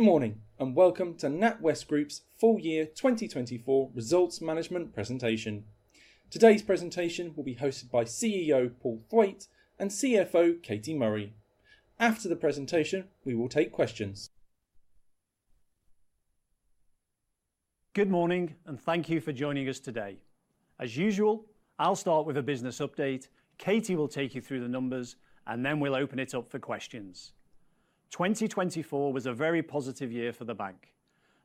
Good morning, and welcome to NatWest Group's full-year 2024 results management presentation. Today's presentation will be hosted by CEO Paul Thwaite and CFO Katie Murray. After the presentation, we will take questions. Good morning, and thank you for joining us today. As usual, I'll start with a business update, Katie will take you through the numbers, and then we'll open it up for questions. 2024 was a very positive year for the bank.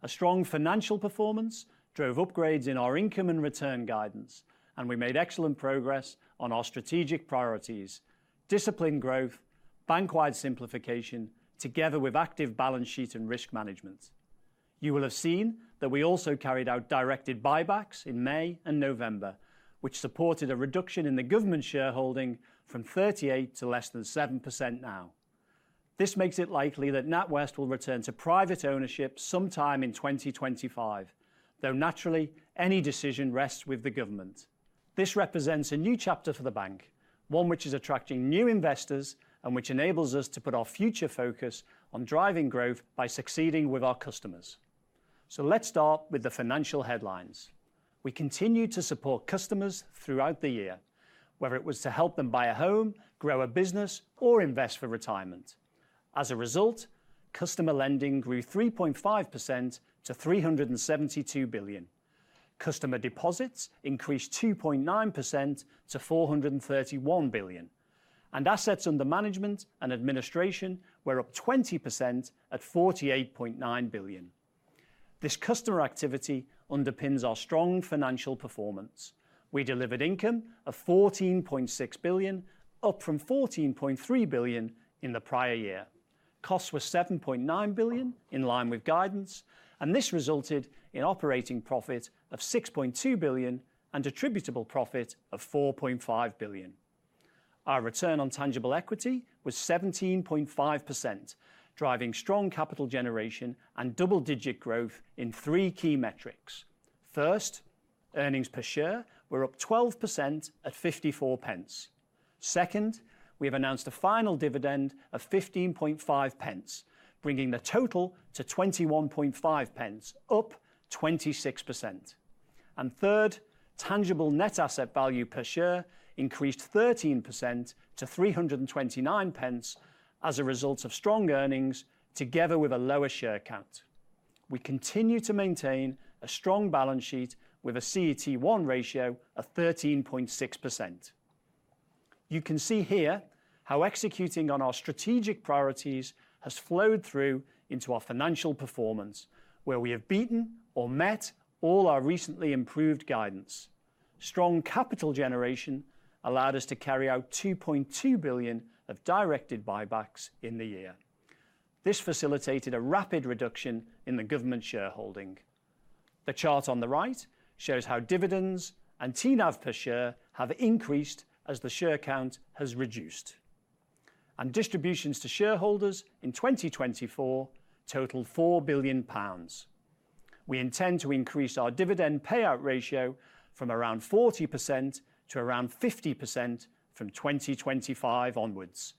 A strong financial performance drove upgrades in our income and return guidance, and we made excellent progress on our strategic priorities: disciplined growth, bank-wide simplification, together with active balance sheet and risk management. You will have seen that we also carried out directed buybacks in May and November, which supported a reduction in the government shareholding from 38% to less than 7% now. This makes it likely that NatWest will return to private ownership sometime in 2025, though naturally, any decision rests with the government. This represents a new chapter for the bank, one which is attracting new investors and which enables us to put our future focus on driving growth by succeeding with our customers. So let's start with the financial headlines. We continue to support customers throughout the year, whether it was to help them buy a home, grow a business, or invest for retirement. As a result, customer lending grew 3.5% to £372 billion. Customer deposits increased 2.9% to £431 billion, and assets under management and administration were up 20% at £48.9 billion. This customer activity underpins our strong financial performance. We delivered income of £14.6 billion, up from £14.3 billion in the prior year. Costs were £7.9 billion, in line with guidance, and this resulted in operating profit of £6.2 billion and attributable profit of £4.5 billion. Our return on tangible equity was 17.5%, driving strong capital generation and double-digit growth in three key metrics. First, earnings per share were up 12% at £0.54. Second, we have announced a final dividend of £0.15, bringing the total to £0.21, up 26%. And third, tangible net asset value per share increased 13% to £0.329 as a result of strong earnings, together with a lower share count. We continue to maintain a strong balance sheet with a CET1 ratio of 13.6%. You can see here how executing on our strategic priorities has flowed through into our financial performance, where we have beaten or met all our recently improved guidance. Strong capital generation allowed us to carry out £2.2 billion of directed buybacks in the year. This facilitated a rapid reduction in the government shareholding. The chart on the right shows how dividends and TNAV per share have increased as the share count has reduced. Distributions to shareholders in 2024 totaled £4 billion. We intend to increase our dividend payout ratio from around 40% to around 50% from 2025 onwards.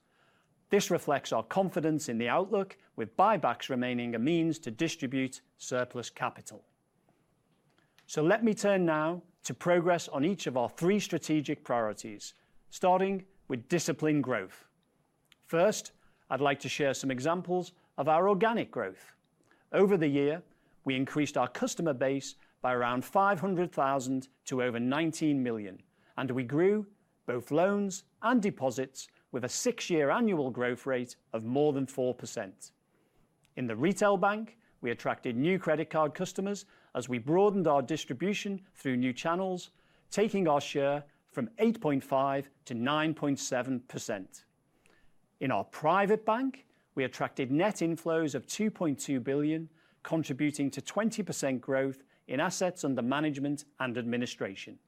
This reflects our confidence in the outlook, with buybacks remaining a means to distribute surplus capital. Let me turn now to progress on each of our three strategic priorities, starting with disciplined growth. First, I'd like to share some examples of our organic growth. Over the year, we increased our customer base by around 500,000 to over 19 million, and we grew both loans and deposits with a six-year annual growth rate of more than 4%. In the retail bank, we attracted new credit card customers as we broadened our distribution through new channels, taking our share from 8.5% to 9.7%. In our private bank, we attracted net inflows of £2.2 billion, contributing to 20% growth in assets under management and administration.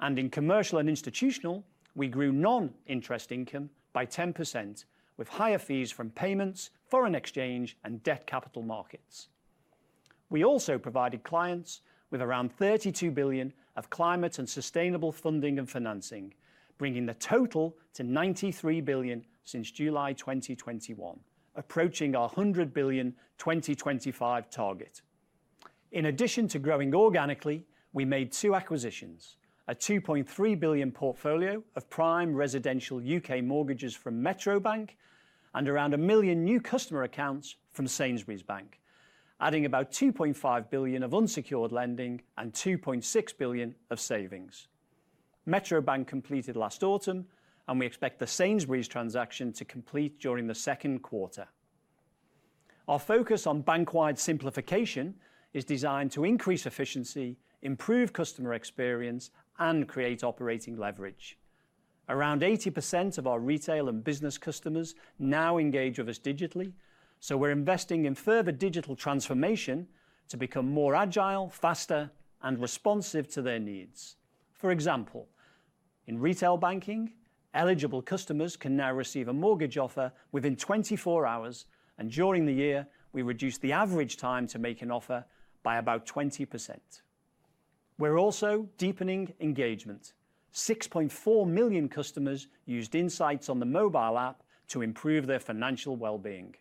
And in commercial and institutional, we grew non-interest income by 10%, with higher fees from payments, foreign exchange, and debt capital markets. We also provided clients with around £32 billion of climate and sustainable funding and financing, bringing the total to £93 billion since July 2021, approaching our £100 billion 2025 target. In addition to growing organically, we made two acquisitions: a £2.3 billion portfolio of prime residential UK mortgages from Metro Bank and around a million new customer accounts from Sainsbury's Bank, adding about £2.5 billion of unsecured lending and £2.6 billion of savings. Metro Bank completed last autumn, and we expect the Sainsbury's transaction to complete during the second quarter. Our focus on bank-wide simplification is designed to increase efficiency, improve customer experience, and create operating leverage. Around 80% of our retail and business customers now engage with us digitally, so we're investing in further digital transformation to become more agile, faster, and responsive to their needs. For example, in retail banking, eligible customers can now receive a mortgage offer within 24 hours, and during the year, we reduced the average time to make an offer by about 20%. We're also deepening engagement. 6.4 million customers used insights on the mobile app to improve their financial well-being.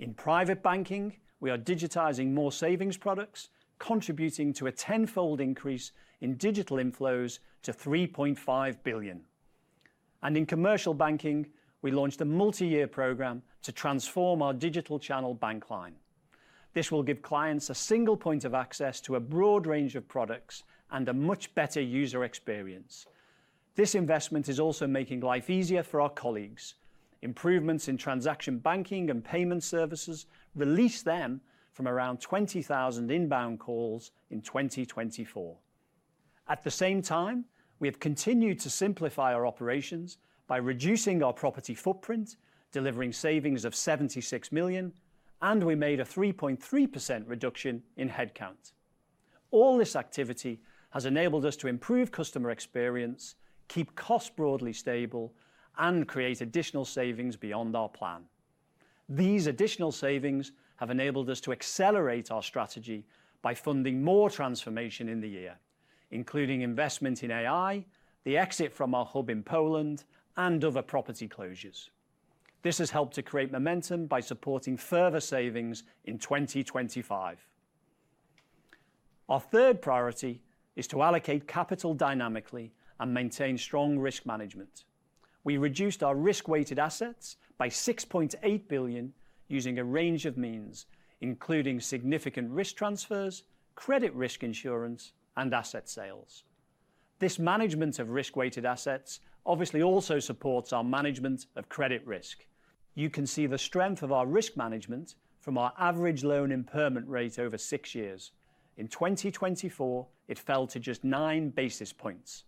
In private banking, we are digitizing more savings products, contributing to a tenfold increase in digital inflows to £3.5 billion. And in commercial banking, we launched a multi-year program to transform our digital channel Bankline. This will give clients a single point of access to a broad range of products and a much better user experience. This investment is also making life easier for our colleagues. Improvements in transaction banking and payment services released them from around 20,000 inbound calls in 2024. At the same time, we have continued to simplify our operations by reducing our property footprint, delivering savings of £76 million, and we made a 3.3% reduction in headcount. All this activity has enabled us to improve customer experience, keep costs broadly stable, and create additional savings beyond our plan. These additional savings have enabled us to accelerate our strategy by funding more transformation in the year, including investment in AI, the exit from our hub in Poland, and other property closures. This has helped to create momentum by supporting further savings in 2025. Our third priority is to allocate capital dynamically and maintain strong risk management. We reduced our risk-weighted assets by £6.8 billion using a range of means, including significant risk transfers, credit risk insurance, and asset sales. This management of risk-weighted assets obviously also supports our management of credit risk. You can see the strength of our risk management from our average loan impairment rate over six years. In 2024, it fell to just nine basis points.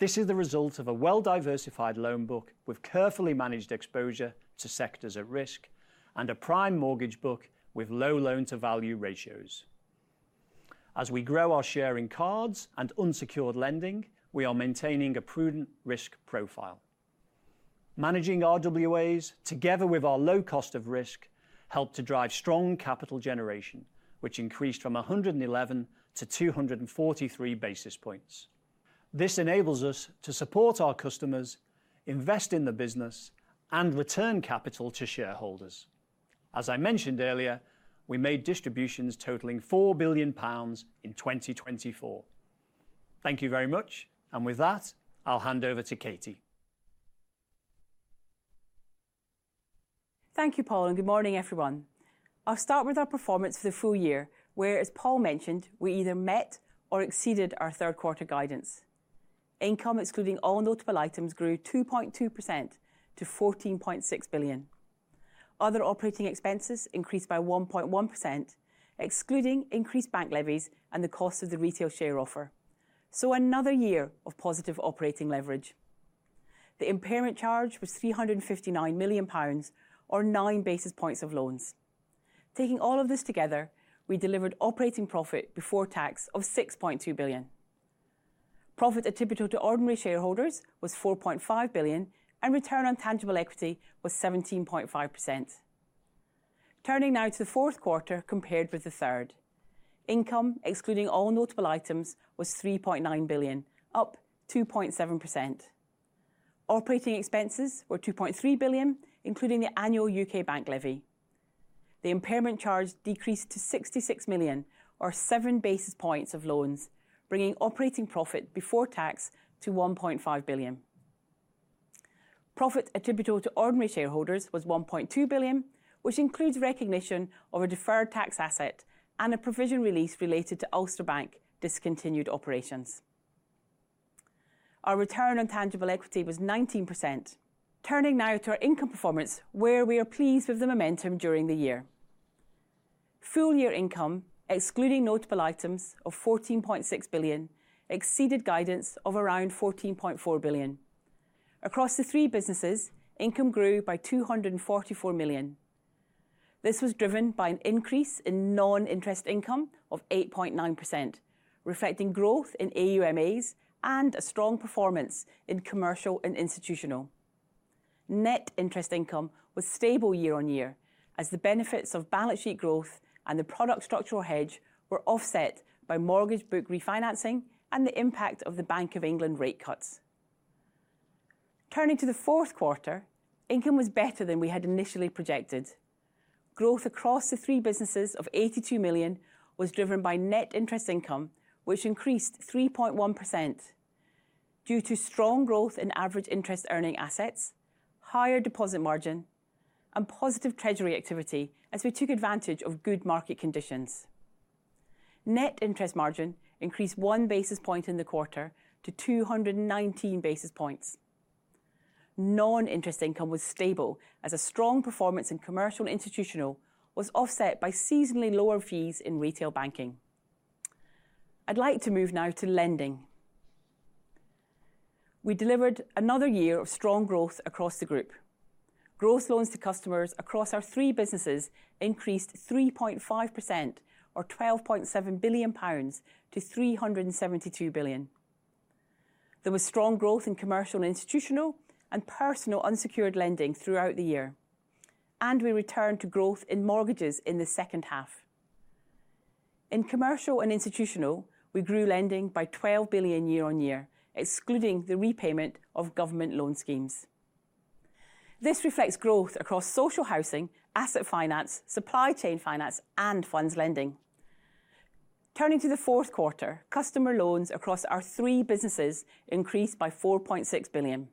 This is the result of a well-diversified loan book with carefully managed exposure to sectors at risk and a prime mortgage book with low loan-to-value ratios. As we grow our share in cards and unsecured lending, we are maintaining a prudent risk profile. Managing RWAs, together with our low cost of risk, helped to drive strong capital generation, which increased from 111 to 243 basis points. This enables us to support our customers, invest in the business, and return capital to shareholders. As I mentioned earlier, we made distributions totaling £4 billion in 2024. Thank you very much, and with that, I'll hand over to Katie. Thank you, Paul, and good morning, everyone. I'll start with our performance for the full year, where, as Paul mentioned, we either met or exceeded our third-quarter guidance. Income, excluding all notable items, grew 2.2% to £14.6 billion. Other operating expenses increased by 1.1%, excluding increased bank levies and the cost of the retail share offer. So, another year of positive operating leverage. The impairment charge was £359 million, or nine basis points of loans. Taking all of this together, we delivered operating profit before tax of £6.2 billion. Profit attributable to ordinary shareholders was £4.5 billion, and return on tangible equity was 17.5%. Turning now to the fourth quarter compared with the third. Income, excluding all notable items, was £3.9 billion, up 2.7%. Operating expenses were £2.3 billion, including the annual UK bank levy. The impairment charge decreased to £66 million, or seven basis points of loans, bringing operating profit before tax to £1.5 billion. Profit attributable to ordinary shareholders was £1.2 billion, which includes recognition of a deferred tax asset and a provision release related to Ulster Bank discontinued operations. Our return on tangible equity was 19%. Turning now to our income performance, where we are pleased with the momentum during the year. Full-year income, excluding notable items, of £14.6 billion exceeded guidance of around £14.4 billion. Across the three businesses, income grew by £244 million. This was driven by an increase in non-interest income of 8.9%, reflecting growth in AUMAs and a strong performance in commercial and institutional. Net interest income was stable year on year, as the benefits of balance sheet growth and the product structural hedge were offset by mortgage book refinancing and the impact of the Bank of England rate cuts. Turning to the fourth quarter, income was better than we had initially projected. Growth across the three businesses of £82 million was driven by net interest income, which increased 3.1% due to strong growth in average interest-earning assets, higher deposit margin, and positive treasury activity as we took advantage of good market conditions. Net interest margin increased one basis point in the quarter to 219 basis points. Non-interest income was stable as a strong performance in commercial and institutional was offset by seasonally lower fees in retail banking. I'd like to move now to lending. We delivered another year of strong growth across the group. Gross loans to customers across our three businesses increased 3.5%, or 12.7 billion pounds, to 372 billion. There was strong growth in commercial and institutional and personal unsecured lending throughout the year, and we returned to growth in mortgages in the second half. In commercial and institutional, we grew lending by 12 billion year on year, excluding the repayment of government loan schemes. This reflects growth across social housing, asset finance, supply chain finance, and funds lending. Turning to the fourth quarter, customer loans across our three businesses increased by 4.6 billion.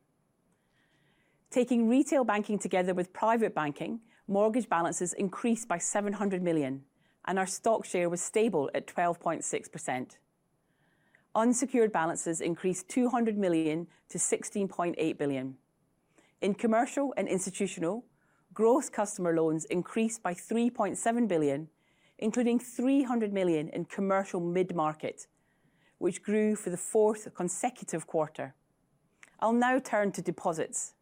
Taking retail banking together with private banking, mortgage balances increased by 700 million, and our stock share was stable at 12.6%. Unsecured balances increased 200 million to 16.8 billion. In commercial and institutional, gross customer loans increased by 3.7 billion, including 300 million in commercial mid-market, which grew for the fourth consecutive quarter. I'll now turn to deposits.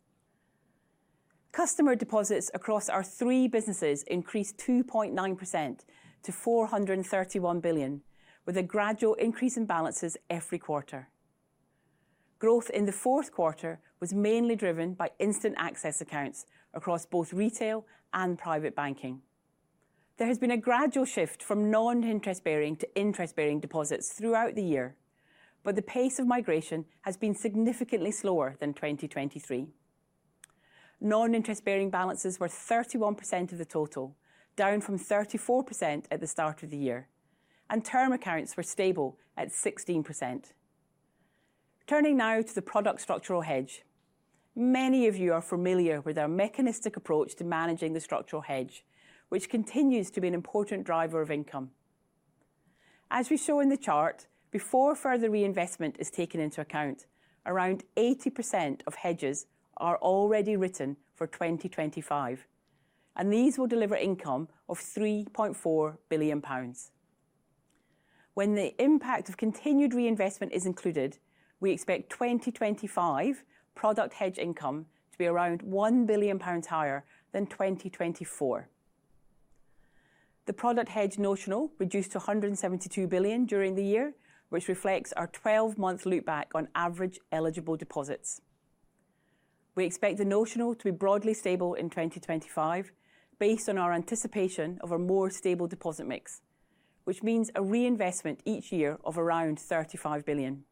Customer deposits across our three businesses increased 2.9% to £431 billion, with a gradual increase in balances every quarter. Growth in the fourth quarter was mainly driven by instant access accounts across both retail and private banking. There has been a gradual shift from non-interest-bearing to interest-bearing deposits throughout the year, but the pace of migration has been significantly slower than 2023. Non-interest-bearing balances were 31% of the total, down from 34% at the start of the year, and term accounts were stable at 16%. Turning now to the product structural hedge. Many of you are familiar with our mechanistic approach to managing the structural hedge, which continues to be an important driver of income. As we show in the chart, before further reinvestment is taken into account, around 80% of hedges are already written for 2025, and these will deliver income of £3.4 billion. When the impact of continued reinvestment is included, we expect 2025 product hedge income to be around £1 billion higher than 2024. The product hedge notional reduced to £172 billion during the year, which reflects our 12-month loopback on average eligible deposits. We expect the notional to be broadly stable in 2025, based on our anticipation of a more stable deposit mix, which means a reinvestment each year of around £35 billion.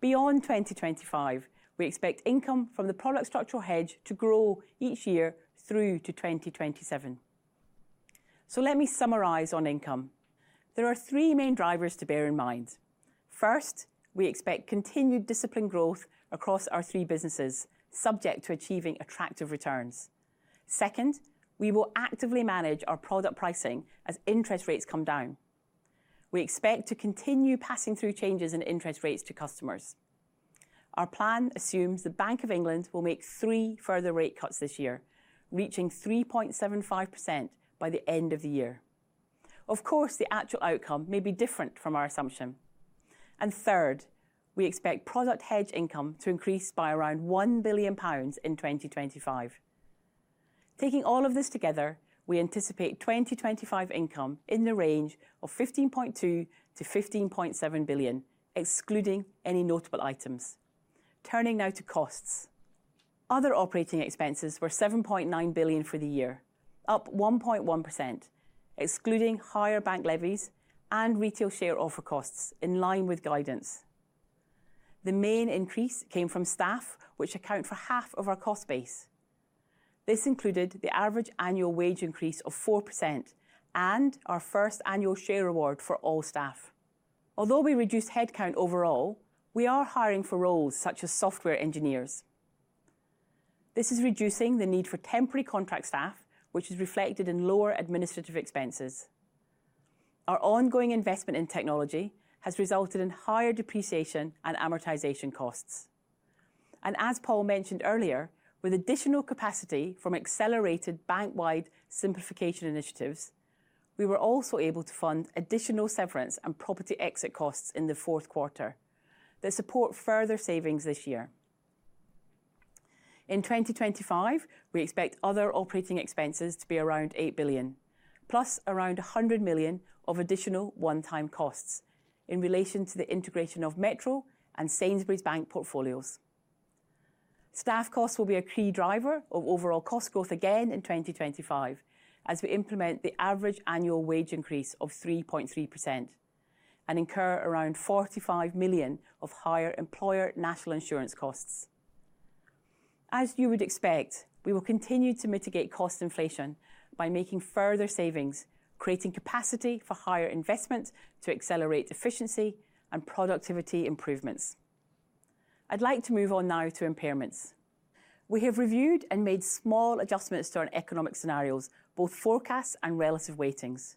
Beyond 2025, we expect income from the product structural hedge to grow each year through to 2027. So let me summarize on income. There are three main drivers to bear in mind. First, we expect continued disciplined growth across our three businesses, subject to achieving attractive returns. Second, we will actively manage our product pricing as interest rates come down. We expect to continue passing through changes in interest rates to customers. Our plan assumes the Bank of England will make three further rate cuts this year, reaching 3.75% by the end of the year. Of course, the actual outcome may be different from our assumption, and third, we expect product hedge income to increase by around £1 billion in 2025. Taking all of this together, we anticipate 2025 income in the range of £15.2 billion-£15.7 billion, excluding any notable items. Turning now to costs. Other operating expenses were £7.9 billion for the year, up 1.1%, excluding higher bank levies and retail share offer costs in line with guidance. The main increase came from staff, which account for half of our cost base. This included the average annual wage increase of 4% and our first annual share award for all staff. Although we reduced headcount overall, we are hiring for roles such as software engineers. This is reducing the need for temporary contract staff, which is reflected in lower administrative expenses. Our ongoing investment in technology has resulted in higher depreciation and amortization costs, and as Paul mentioned earlier, with additional capacity from accelerated bank-wide simplification initiatives, we were also able to fund additional severance and property exit costs in the fourth quarter that support further savings this year. In 2025, we expect other operating expenses to be around £8 billion, plus around £100 million of additional one-time costs in relation to the integration of Metro Bank and Sainsbury's Bank portfolios. Staff costs will be a key driver of overall cost growth again in 2025 as we implement the average annual wage increase of 3.3% and incur around £45 million of higher employer national insurance costs. As you would expect, we will continue to mitigate cost inflation by making further savings, creating capacity for higher investment to accelerate efficiency and productivity improvements. I'd like to move on now to impairments. We have reviewed and made small adjustments to our economic scenarios, both forecasts and relative weightings.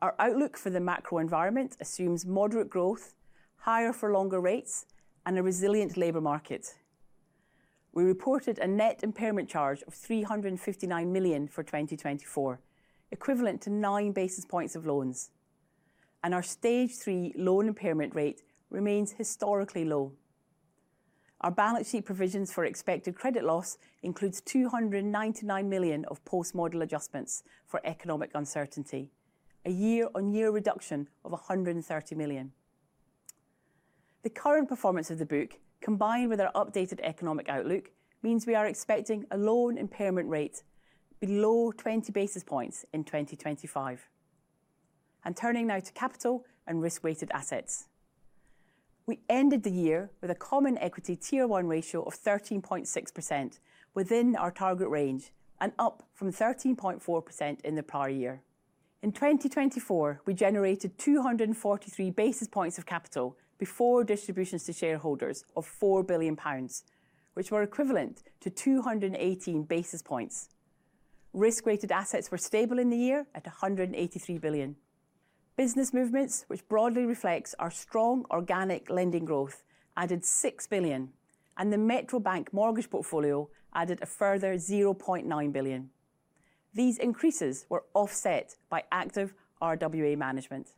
Our outlook for the macro environment assumes moderate growth, higher-for-longer rates, and a resilient labor market. We reported a net impairment charge of £359 million for 2024, equivalent to nine basis points of loans, and our stage three loan impairment rate remains historically low. Our balance sheet provisions for expected credit loss include £299 million of post-model adjustments for economic uncertainty, a year-on-year reduction of £130 million. The current performance of the book, combined with our updated economic outlook, means we are expecting a loan impairment rate below 20 basis points in 2025. Turning now to capital and risk-weighted assets. We ended the year with a common equity tier one ratio of 13.6% within our target range and up from 13.4% in the prior year. In 2024, we generated 243 basis points of capital before distributions to shareholders of £4 billion, which were equivalent to 218 basis points. Risk-weighted assets were stable in the year at £183 billion. Business movements, which broadly reflects our strong organic lending growth, added £6 billion, and the Metro Bank mortgage portfolio added a further £0.9 billion. These increases were offset by active RWA management.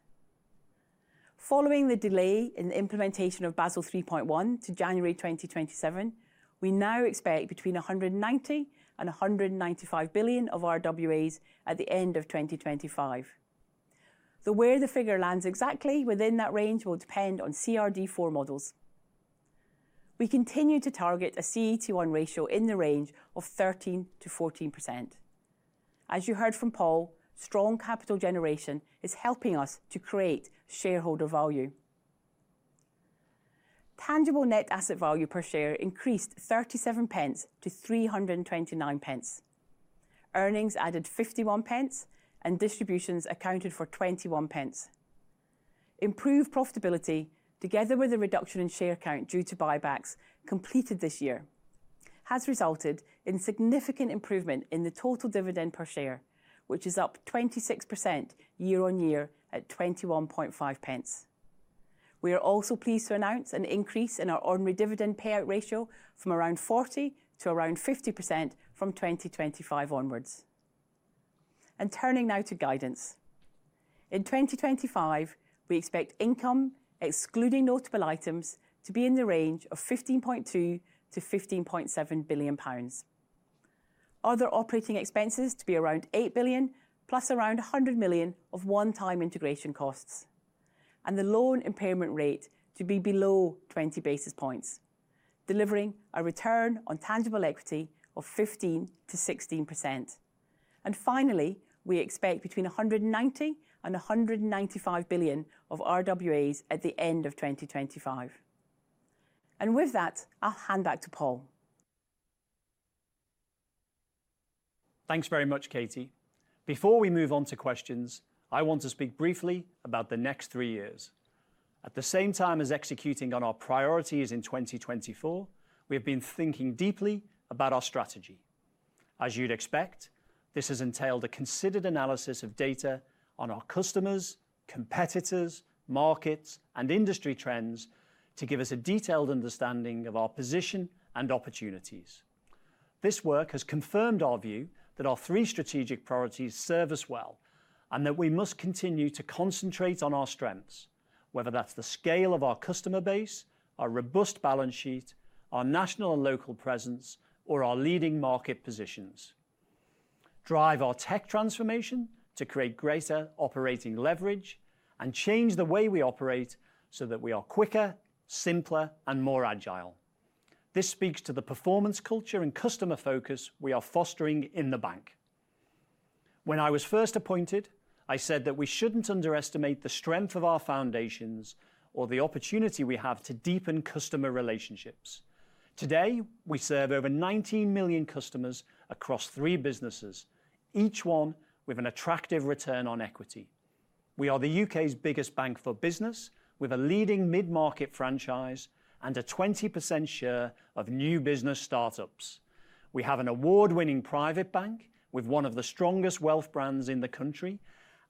Following the delay in the implementation of Basel 3.1 to January 2027, we now expect between £190 and £195 billion of RWAs at the end of 2025. Whether the figure lands exactly within that range will depend on CRD IV models. We continue to target a CET1 ratio in the range of 13%-14%. As you heard from Paul, strong capital generation is helping us to create shareholder value. Tangible net asset value per share increased £0.37 to £3.29. Earnings added £0.51, and distributions accounted for £0.21. Improved profitability, together with the reduction in share count due to buybacks completed this year, has resulted in significant improvement in the total dividend per share, which is up 26% year on year at £0.21. We are also pleased to announce an increase in our ordinary dividend payout ratio from around 40%-50% from 2025 onwards. Turning now to guidance. In 2025, we expect income, excluding notable items, to be in the range of £15.2-£15.7 billion. Other operating expenses to be around £8 billion, plus around £100 million of one-time integration costs. And the loan impairment rate to be below 20 basis points, delivering a return on tangible equity of 15% to 16%. And finally, we expect between 190 billion and 195 billion of RWAs at the end of 2025. And with that, I'll hand back to Paul. Thanks very much, Katie. Before we move on to questions, I want to speak briefly about the next three years. At the same time as executing on our priorities in 2024, we have been thinking deeply about our strategy. As you'd expect, this has entailed a considered analysis of data on our customers, competitors, markets, and industry trends to give us a detailed understanding of our position and opportunities. This work has confirmed our view that our three strategic priorities serve us well and that we must continue to concentrate on our strengths, whether that's the scale of our customer base, our robust balance sheet, our national and local presence, or our leading market positions. Drive our tech transformation to create greater operating leverage and change the way we operate so that we are quicker, simpler, and more agile. This speaks to the performance culture and customer focus we are fostering in the bank. When I was first appointed, I said that we shouldn't underestimate the strength of our foundations or the opportunity we have to deepen customer relationships. Today, we serve over 19 million customers across three businesses, each one with an attractive return on equity. We are the U.K.'s biggest bank for business with a leading mid-market franchise and a 20% share of new business startups. We have an award-winning private bank with one of the strongest wealth brands in the country,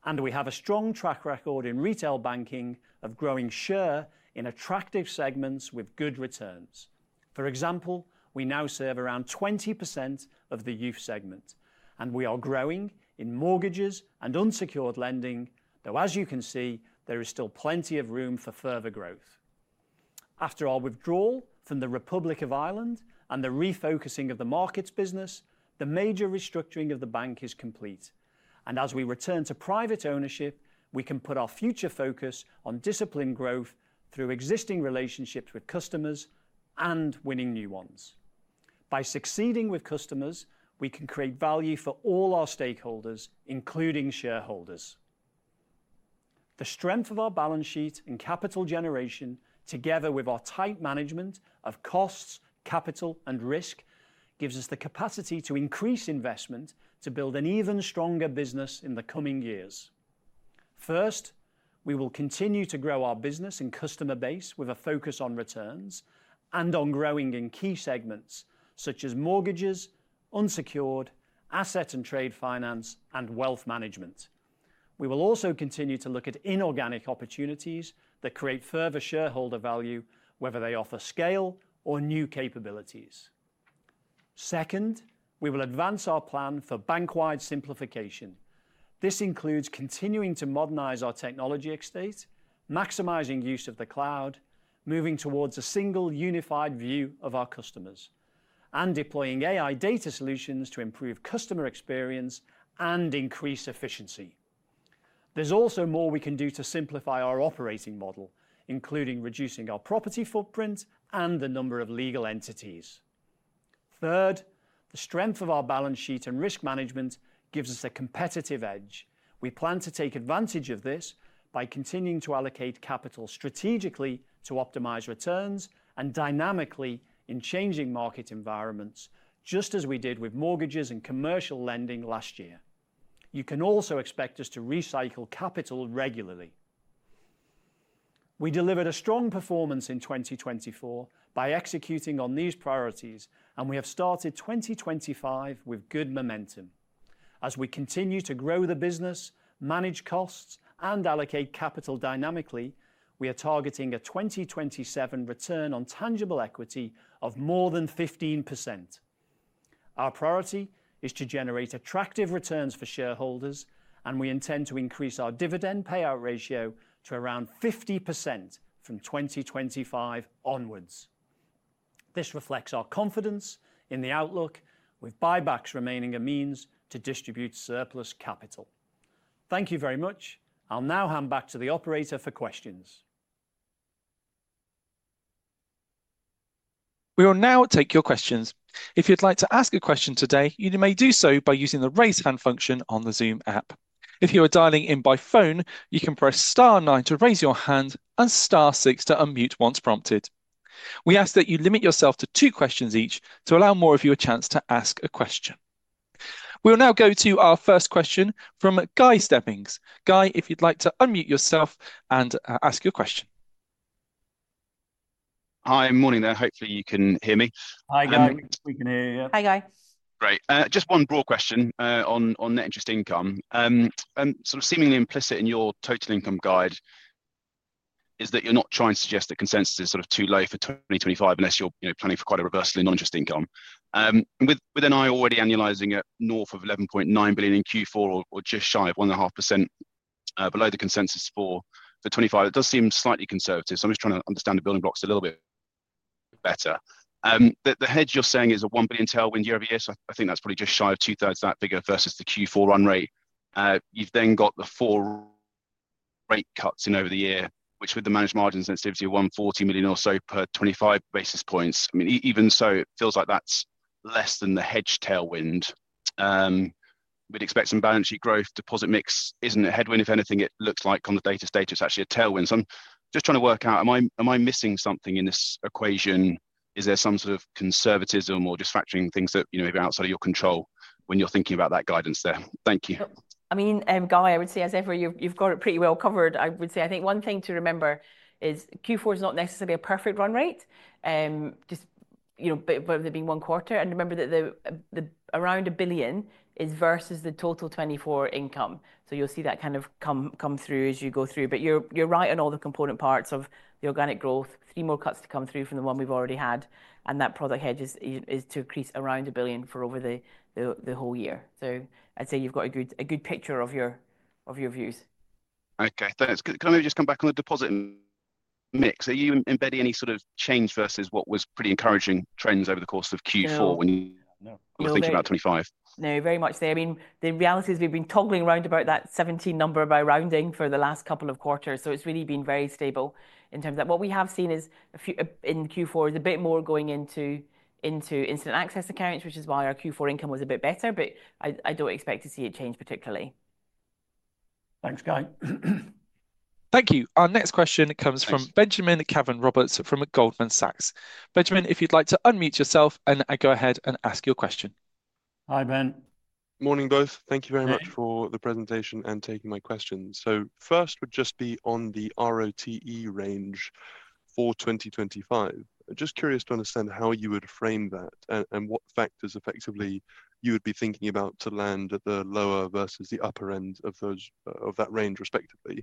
and we have a strong track record in retail banking of growing share in attractive segments with good returns. For example, we now serve around 20% of the youth segment, and we are growing in mortgages and unsecured lending, though, as you can see, there is still plenty of room for further growth. After our withdrawal from the Republic of Ireland and the refocusing of the markets business, the major restructuring of the bank is complete. And as we return to private ownership, we can put our future focus on disciplined growth through existing relationships with customers and winning new ones. By succeeding with customers, we can create value for all our stakeholders, including shareholders. The strength of our balance sheet and capital generation, together with our tight management of costs, capital, and risk, gives us the capacity to increase investment to build an even stronger business in the coming years. First, we will continue to grow our business and customer base with a focus on returns and on growing in key segments such as mortgages, unsecured, asset and trade finance, and wealth management. We will also continue to look at inorganic opportunities that create further shareholder value, whether they offer scale or new capabilities. Second, we will advance our plan for bank-wide simplification. This includes continuing to modernize our technology estate, maximizing use of the cloud, moving towards a single unified view of our customers, and deploying AI data solutions to improve customer experience and increase efficiency. There's also more we can do to simplify our operating model, including reducing our property footprint and the number of legal entities. Third, the strength of our balance sheet and risk management gives us a competitive edge. We plan to take advantage of this by continuing to allocate capital strategically to optimize returns and dynamically in changing market environments, just as we did with mortgages and commercial lending last year. You can also expect us to recycle capital regularly. We delivered a strong performance in 2024 by executing on these priorities, and we have started 2025 with good momentum. As we continue to grow the business, manage costs, and allocate capital dynamically, we are targeting a 2027 return on tangible equity of more than 15%. Our priority is to generate attractive returns for shareholders, and we intend to increase our dividend payout ratio to around 50% from 2025 onwards. This reflects our confidence in the outlook, with buybacks remaining a means to distribute surplus capital. Thank you very much. I'll now hand back to the operator for questions. We will now take your questions. If you'd like to ask a question today, you may do so by using the raise hand function on the Zoom app. If you are dialing in by phone, you can press star nine to raise your hand and star six to unmute once prompted. We ask that you limit yourself to two questions each to allow more of you a chance to ask a question. We will now go to our first question from Guy Stebbings. Guy, if you'd like to unmute yourself and ask your question. Hi, morning there. Hopefully, you can hear me. Hi, Guy. We can hear you. Hi, Guy. Great. Just one broad question on net interest income. Sort of seemingly implicit in your total income guide is that you're not trying to suggest that consensus is sort of too low for 2025 unless you're planning for quite a reverse non-interest income. With NII already annualizing at north of £11.9 billion in Q4 or just shy of 1.5% below the consensus for the 2025, it does seem slightly conservative. So I'm just trying to understand the building blocks a little bit better. The hedge you're saying is a £1 billion tailwind year over year. So I think that's probably just shy of two-thirds of that figure versus the Q4 run rate. You've then got the four rate cuts in over the year, which with the managed margin sensitivity of £140 million or so per 25 basis points. I mean, even so, it feels like that's less than the hedge tailwind. We'd expect some balance sheet growth. Deposit mix isn't a headwind. If anything, it looks like on the data status, it's actually a tailwind. So I'm just trying to work out, am I missing something in this equation? Is there some sort of conservatism or just fracturing things that may be outside of your control when you're thinking about that guidance there? Thank you. I mean, Guy, I would say, as ever, you've got it pretty well covered. I would say, I think one thing to remember is Q4 is not necessarily a perfect run rate, just whether it be one quarter. And remember that around 1 billion is versus the total 2024 income. So you'll see that kind of come through as you go through. But you're right on all the component parts of the organic growth. Three more cuts to come through from the one we've already had. That product hedge is to increase around £1 billion over the whole year. So I'd say you've got a good picture of your views. Okay. Thanks. Can I just come back on the deposit mix? Are you embedding any sort of change versus what was pretty encouraging trends over the course of Q4 when you were thinking about 2025? No, very much the same. I mean, the reality is we've been toggling around about that '17 number or rounding for the last couple of quarters. So it's really been very stable in terms of that. What we have seen is in Q4 a bit more going into instant access accounts, which is why our Q4 income was a bit better. But I don't expect to see it change particularly. Thanks, Guy. Thank you. Our next question comes from Benjamin Cavan Roberts from Goldman Sachs. Benjamin, if you'd like to unmute yourself and go ahead and ask your question. Hi, Ben. Morning, both. Thank you very much for the presentation and taking my questions. So first would just be on the ROTE range for 2025. Just curious to understand how you would frame that and what factors effectively you would be thinking about to land at the lower versus the upper end of that range, respectively.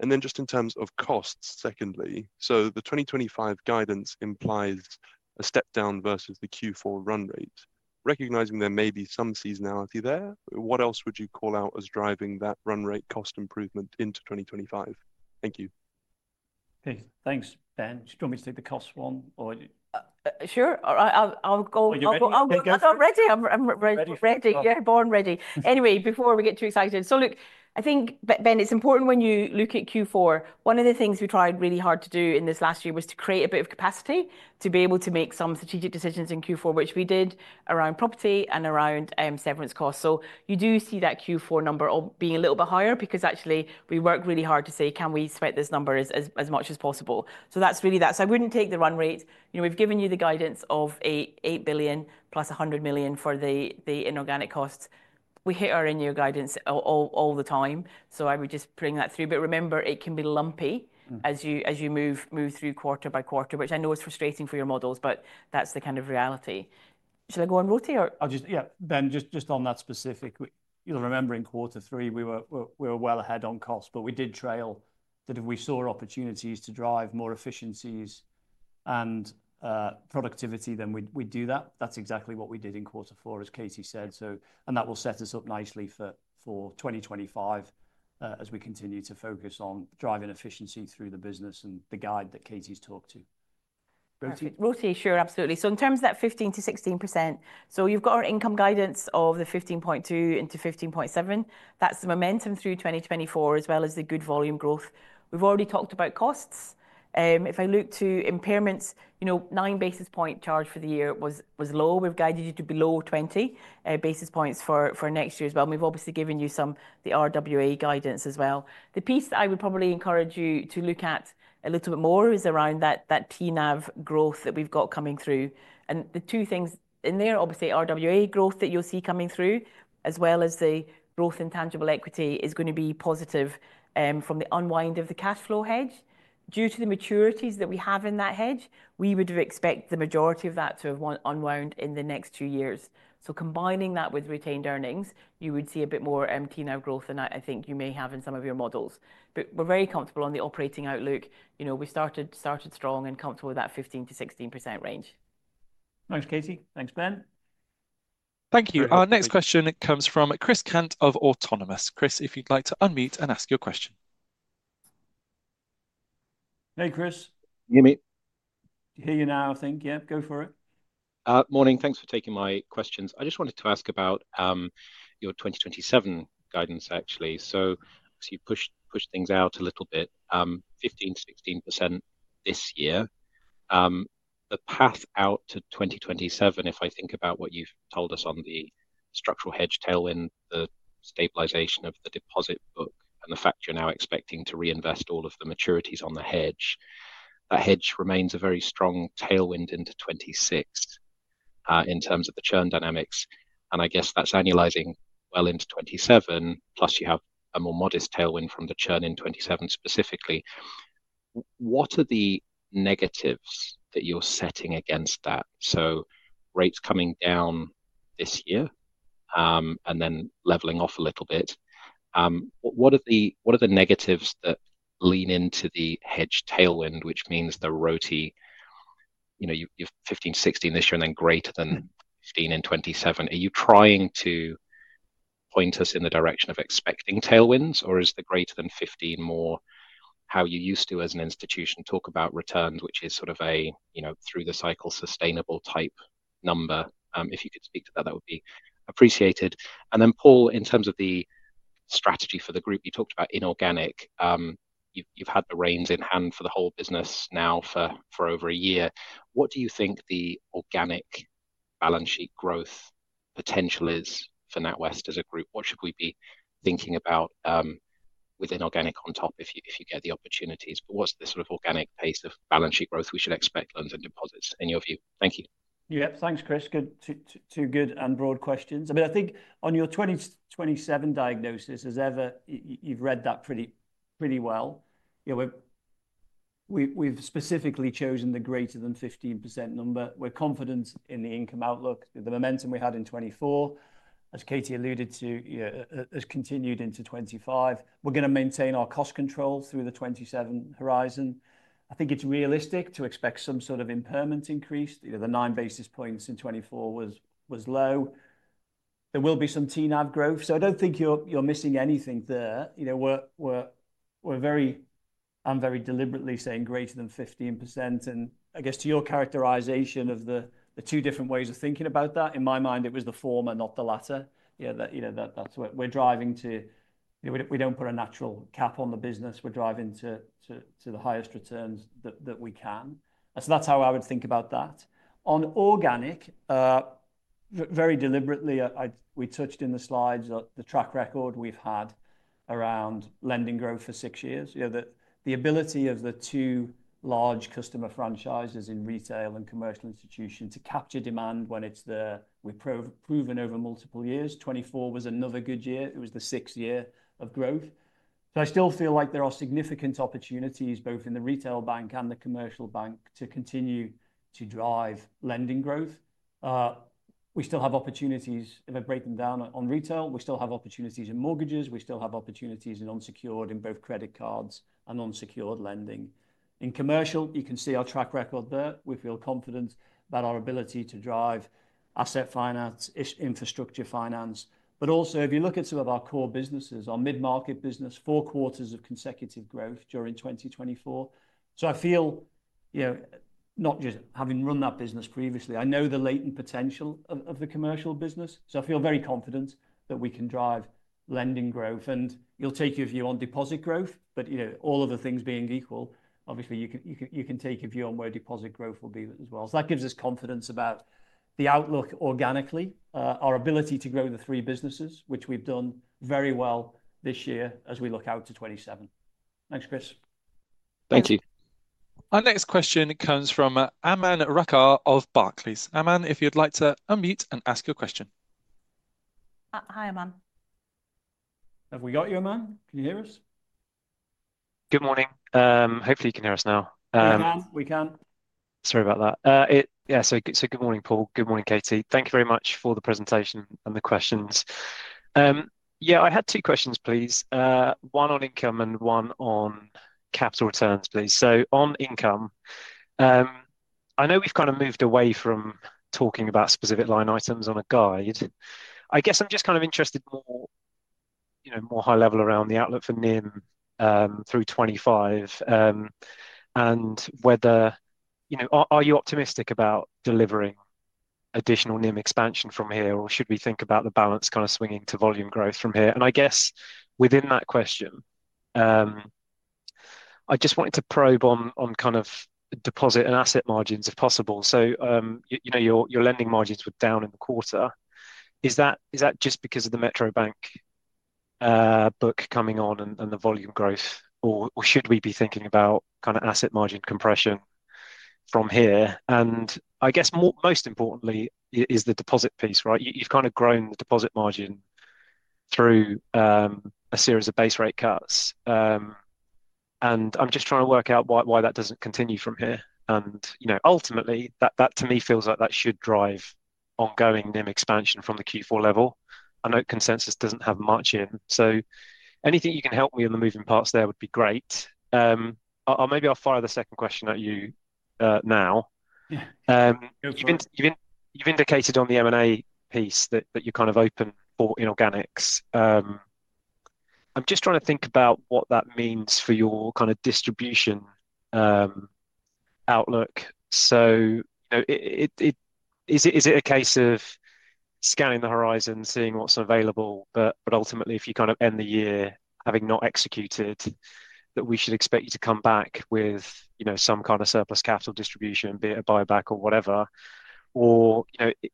And then just in terms of costs, secondly. So the 2025 guidance implies a step down versus the Q4 run rate. Recognizing there may be some seasonality there, what else would you call out as driving that run rate cost improvement into 2025? Thank you. Thanks, Ben. Do you want me to take the cost one or? Sure. I'll go. I'm ready. I'm ready. Yeah, born ready. Anyway, before we get too excited. So look, I think, Ben, it's important when you look at Q4, one of the things we tried really hard to do in this last year was to create a bit of capacity to be able to make some strategic decisions in Q4, which we did around property and around severance costs. So you do see that Q4 number being a little bit higher because actually we worked really hard to say, can we spread this number as much as possible? So that's really that. So I wouldn't take the run rate. We've given you the guidance of £8 billion plus £100 million for the inorganic costs. We hit our annual guidance all the time. So I would just bring that through. But remember, it can be lumpy as you move through quarter by quarter, which I know is frustrating for your models, but that's the kind of reality. Shall I go on ROTE or? Yeah, Ben, just on that specific. Remember in quarter three, we were well ahead on cost, but we did trail that if we saw opportunities to drive more efficiencies and productivity, then we'd do that. That's exactly what we did in quarter four, as Katie said. And that will set us up nicely for 2025 as we continue to focus on driving efficiency through the business and the guide that Katie's talked to. ROTE? ROTE, sure, absolutely. So in terms of that 15%-16%, so you've got our income guidance of £15.2-£15.7. That's the momentum through 2024 as well as the good volume growth. We've already talked about costs. If I look to impairments, nine basis point charge for the year was low. We've guided you to below 20 basis points for next year as well. We've obviously given you some of the RWA guidance as well. The piece that I would probably encourage you to look at a little bit more is around that TNAV growth that we've got coming through, and the two things in there, obviously RWA growth that you'll see coming through, as well as the growth in tangible equity is going to be positive from the unwind of the cash flow hedge. Due to the maturities that we have in that hedge, we would expect the majority of that to have unwound in the next two years, so combining that with retained earnings, you would see a bit more TNAV growth than I think you may have in some of your models, but we're very comfortable on the operating outlook. We started strong and comfortable with that 15%-16% range. Thanks, Katie. Thanks, Ben. Thank you. Our next question comes from Chris Cant of Autonomous. Chris, if you'd like to unmute and ask your question. Hey, Chris. You're muted. Hear you now, I think. Yeah, go for it. Morning. Thanks for taking my questions. I just wanted to ask about your 2027 guidance, actually. So you pushed things out a little bit, 15%-16% this year. The path out to 2027, if I think about what you've told us on the structural hedge tailwind, the stabilization of the deposit book, and the fact you're now expecting to reinvest all of the maturities on the hedge, that hedge remains a very strong tailwind into 2026 in terms of the churn dynamics. And I guess that's annualizing well into 2027, plus you have a more modest tailwind from the churn in 2027 specifically. What are the negatives that you're setting against that? Rates coming down this year and then leveling off a little bit. What are the negatives that lean into the hedge tailwind, which means the ROTE? You've 15%-16% this year and then greater than 15% in 2027. Are you trying to point us in the direction of expecting tailwinds, or is the greater than 15% more how you used to as an institution talk about returns, which is sort of a through-the-cycle sustainable type number? If you could speak to that, that would be appreciated. And then, Paul, in terms of the strategy for the group, you talked about inorganic. You've had the reins in hand for the whole business now for over a year. What do you think the organic balance sheet growth potential is for NatWest as a group? What should we be thinking about with inorganic on top if you get the opportunities? But what's the sort of organic pace of balance sheet growth we should expect loans and deposits in your view? Thank you. Yep, thanks, Chris. Two good and broad questions. I mean, I think on your 2027 diagnosis, as ever, you've read that pretty well. We've specifically chosen the greater than 15% number. We're confident in the income outlook. The momentum we had in 2024, as Katie alluded to, has continued into 2025. We're going to maintain our cost control through the 2027 horizon. I think it's realistic to expect some sort of impairment increase. The nine basis points in 2024 was low. There will be some TNAV growth. So I don't think you're missing anything there. I'm very deliberately saying greater than 15%. And I guess to your characterization of the two different ways of thinking about that, in my mind, it was the former, not the latter. That's what we're driving to. We don't put a natural cap on the business. We're driving to the highest returns that we can. So that's how I would think about that. On organic, very deliberately, we touched in the slides that the track record we've had around lending growth for six years. The ability of the two large customer franchises in retail and commercial institutions to capture demand when it's there, we've proven over multiple years. 2024 was another good year. It was the sixth year of growth. So I still feel like there are significant opportunities both in the retail bank and the commercial bank to continue to drive lending growth. We still have opportunities. If I break them down on retail, we still have opportunities in mortgages. We still have opportunities in unsecured, in both credit cards and unsecured lending. In commercial, you can see our track record there. We feel confident about our ability to drive asset finance, infrastructure finance. But also, if you look at some of our core businesses, our mid-market business, four quarters of consecutive growth during 2024. So I feel, not just having run that business previously, I know the latent potential of the commercial business. So I feel very confident that we can drive lending growth. And you'll take your view on deposit growth, but all of the things being equal, obviously, you can take your view on where deposit growth will be as well. So that gives us confidence about the outlook organically, our ability to grow the three businesses, which we've done very well this year as we look out to 2027. Thanks, Chris. Thank you. Our next question comes from Aman Rakkar of Barclays. Aman, if you'd like to unmute and ask your question. Hi, Aman. Have we got you, Aman? Can you hear us? Good morning. Hopefully, you can hear us now. Hey, Aman. We can. Sorry about that. Yeah, so good morning, Paul. Good morning, Katie. Thank you very much for the presentation and the questions. Yeah, I had two questions, please. One on income and one on capital returns, please. So on income, I know we've kind of moved away from talking about specific line items on a guide. I guess I'm just kind of interested more high level around the outlook for NIM through '25 and whether are you optimistic about delivering additional NIM expansion from here, or should we think about the balance kind of swinging to volume growth from here? I guess within that question, I just wanted to probe on kind of deposit and asset margins if possible. So your lending margins were down in the quarter. Is that just because of the Metro Bank book coming on and the volume growth, or should we be thinking about kind of asset margin compression from here? And I guess most importantly is the deposit piece, right? You've kind of grown the deposit margin through a series of base rate cuts. And I'm just trying to work out why that doesn't continue from here. And ultimately, that to me feels like that should drive ongoing NIM expansion from the Q4 level. I know consensus doesn't have much in. So anything you can help me in the moving parts there would be great. Or maybe I'll fire the second question at you now. You've indicated on the M&A piece that you're kind of open for inorganics. I'm just trying to think about what that means for your kind of distribution outlook. So is it a case of scanning the horizon, seeing what's available, but ultimately, if you kind of end the year having not executed, that we should expect you to come back with some kind of surplus capital distribution, be it a buyback or whatever? Or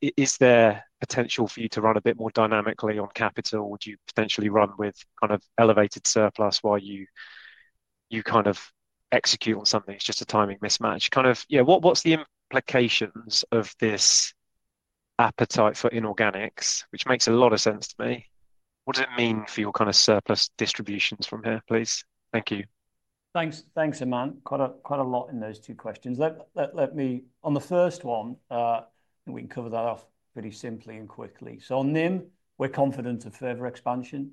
is there potential for you to run a bit more dynamically on capital? Would you potentially run with kind of elevated surplus while you kind of execute on something? It's just a timing mismatch. Kind of, yeah, what's the implications of this appetite for inorganics, which makes a lot of sense to me? What does it mean for your kind of surplus distributions from here, please? Thank you. Thanks, Aman. Quite a lot in those two questions. On the first one, we can cover that off pretty simply and quickly. So on NIM, we're confident of further expansion,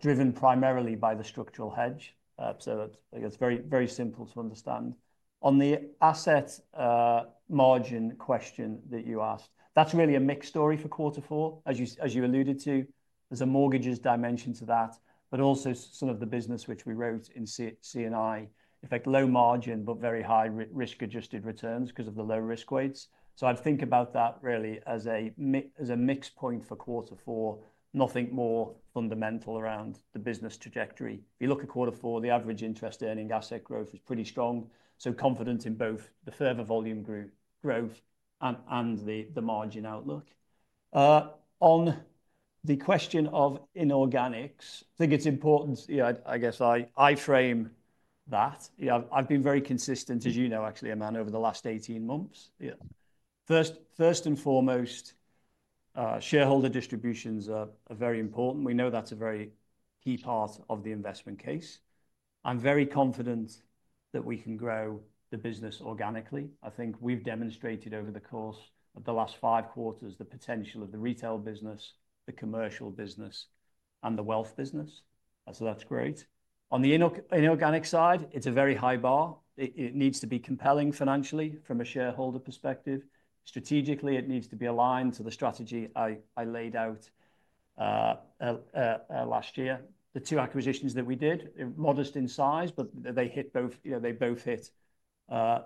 driven primarily by the structural hedge. So it's very simple to understand. On the asset margin question that you asked, that's really a mixed story for quarter four, as you alluded to. There's a mortgages dimension to that, but also some of the business which we wrote in C&I, in fact, low margin, but very high risk-adjusted returns because of the low risk weights. So I'd think about that really as a mixed point for quarter four, nothing more fundamental around the business trajectory. If you look at quarter four, the average interest earning asset growth is pretty strong. So confident in both the further volume growth and the margin outlook. On the question of inorganics, I think it's important. I guess I frame that. I've been very consistent, as you know, actually, Aman, over the last 18 months. First and foremost, shareholder distributions are very important. We know that's a very key part of the investment case. I'm very confident that we can grow the business organically. I think we've demonstrated over the course of the last five quarters the potential of the retail business, the commercial business, and the wealth business. So that's great. On the inorganic side, it's a very high bar. It needs to be compelling financially from a shareholder perspective. Strategically, it needs to be aligned to the strategy I laid out last year. The two acquisitions that we did, they're modest in size, but they hit both. They both hit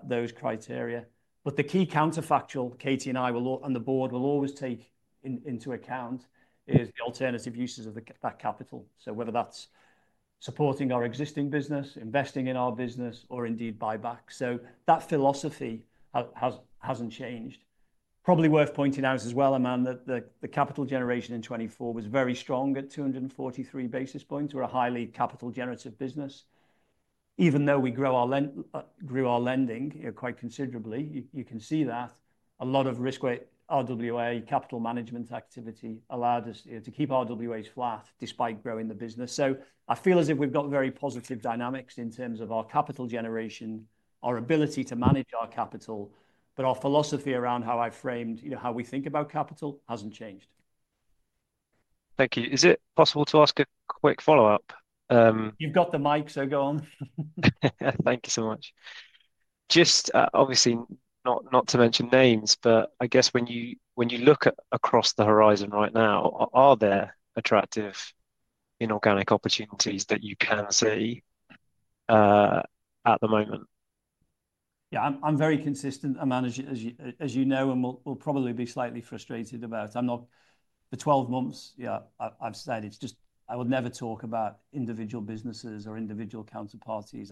those criteria. But the key counterfactual Katie and I will, and the board will always take into account is the alternative uses of that capital. So whether that's supporting our existing business, investing in our business, or indeed buyback. So that philosophy hasn't changed. Probably worth pointing out as well, Aman, that the capital generation in 2024 was very strong at 243 basis points. We're a highly capital-generative business. Even though we grew our lending quite considerably, you can see that a lot of risk-weighted RWA, capital management activity allowed us to keep RWAs flat despite growing the business. So I feel as if we've got very positive dynamics in terms of our capital generation, our ability to manage our capital, but our philosophy around how I framed how we think about capital hasn't changed. Thank you. Is it possible to ask a quick follow-up? You've got the mic, so go on. Thank you so much. Just obviously not to mention names, but I guess when you look across the horizon right now, are there attractive inorganic opportunities that you can see at the moment? Yeah, I'm very consistent, Aman, as you know, and will probably be slightly frustrated about. The 12 months, yeah, I've said it's just I would never talk about individual businesses or individual counterparties.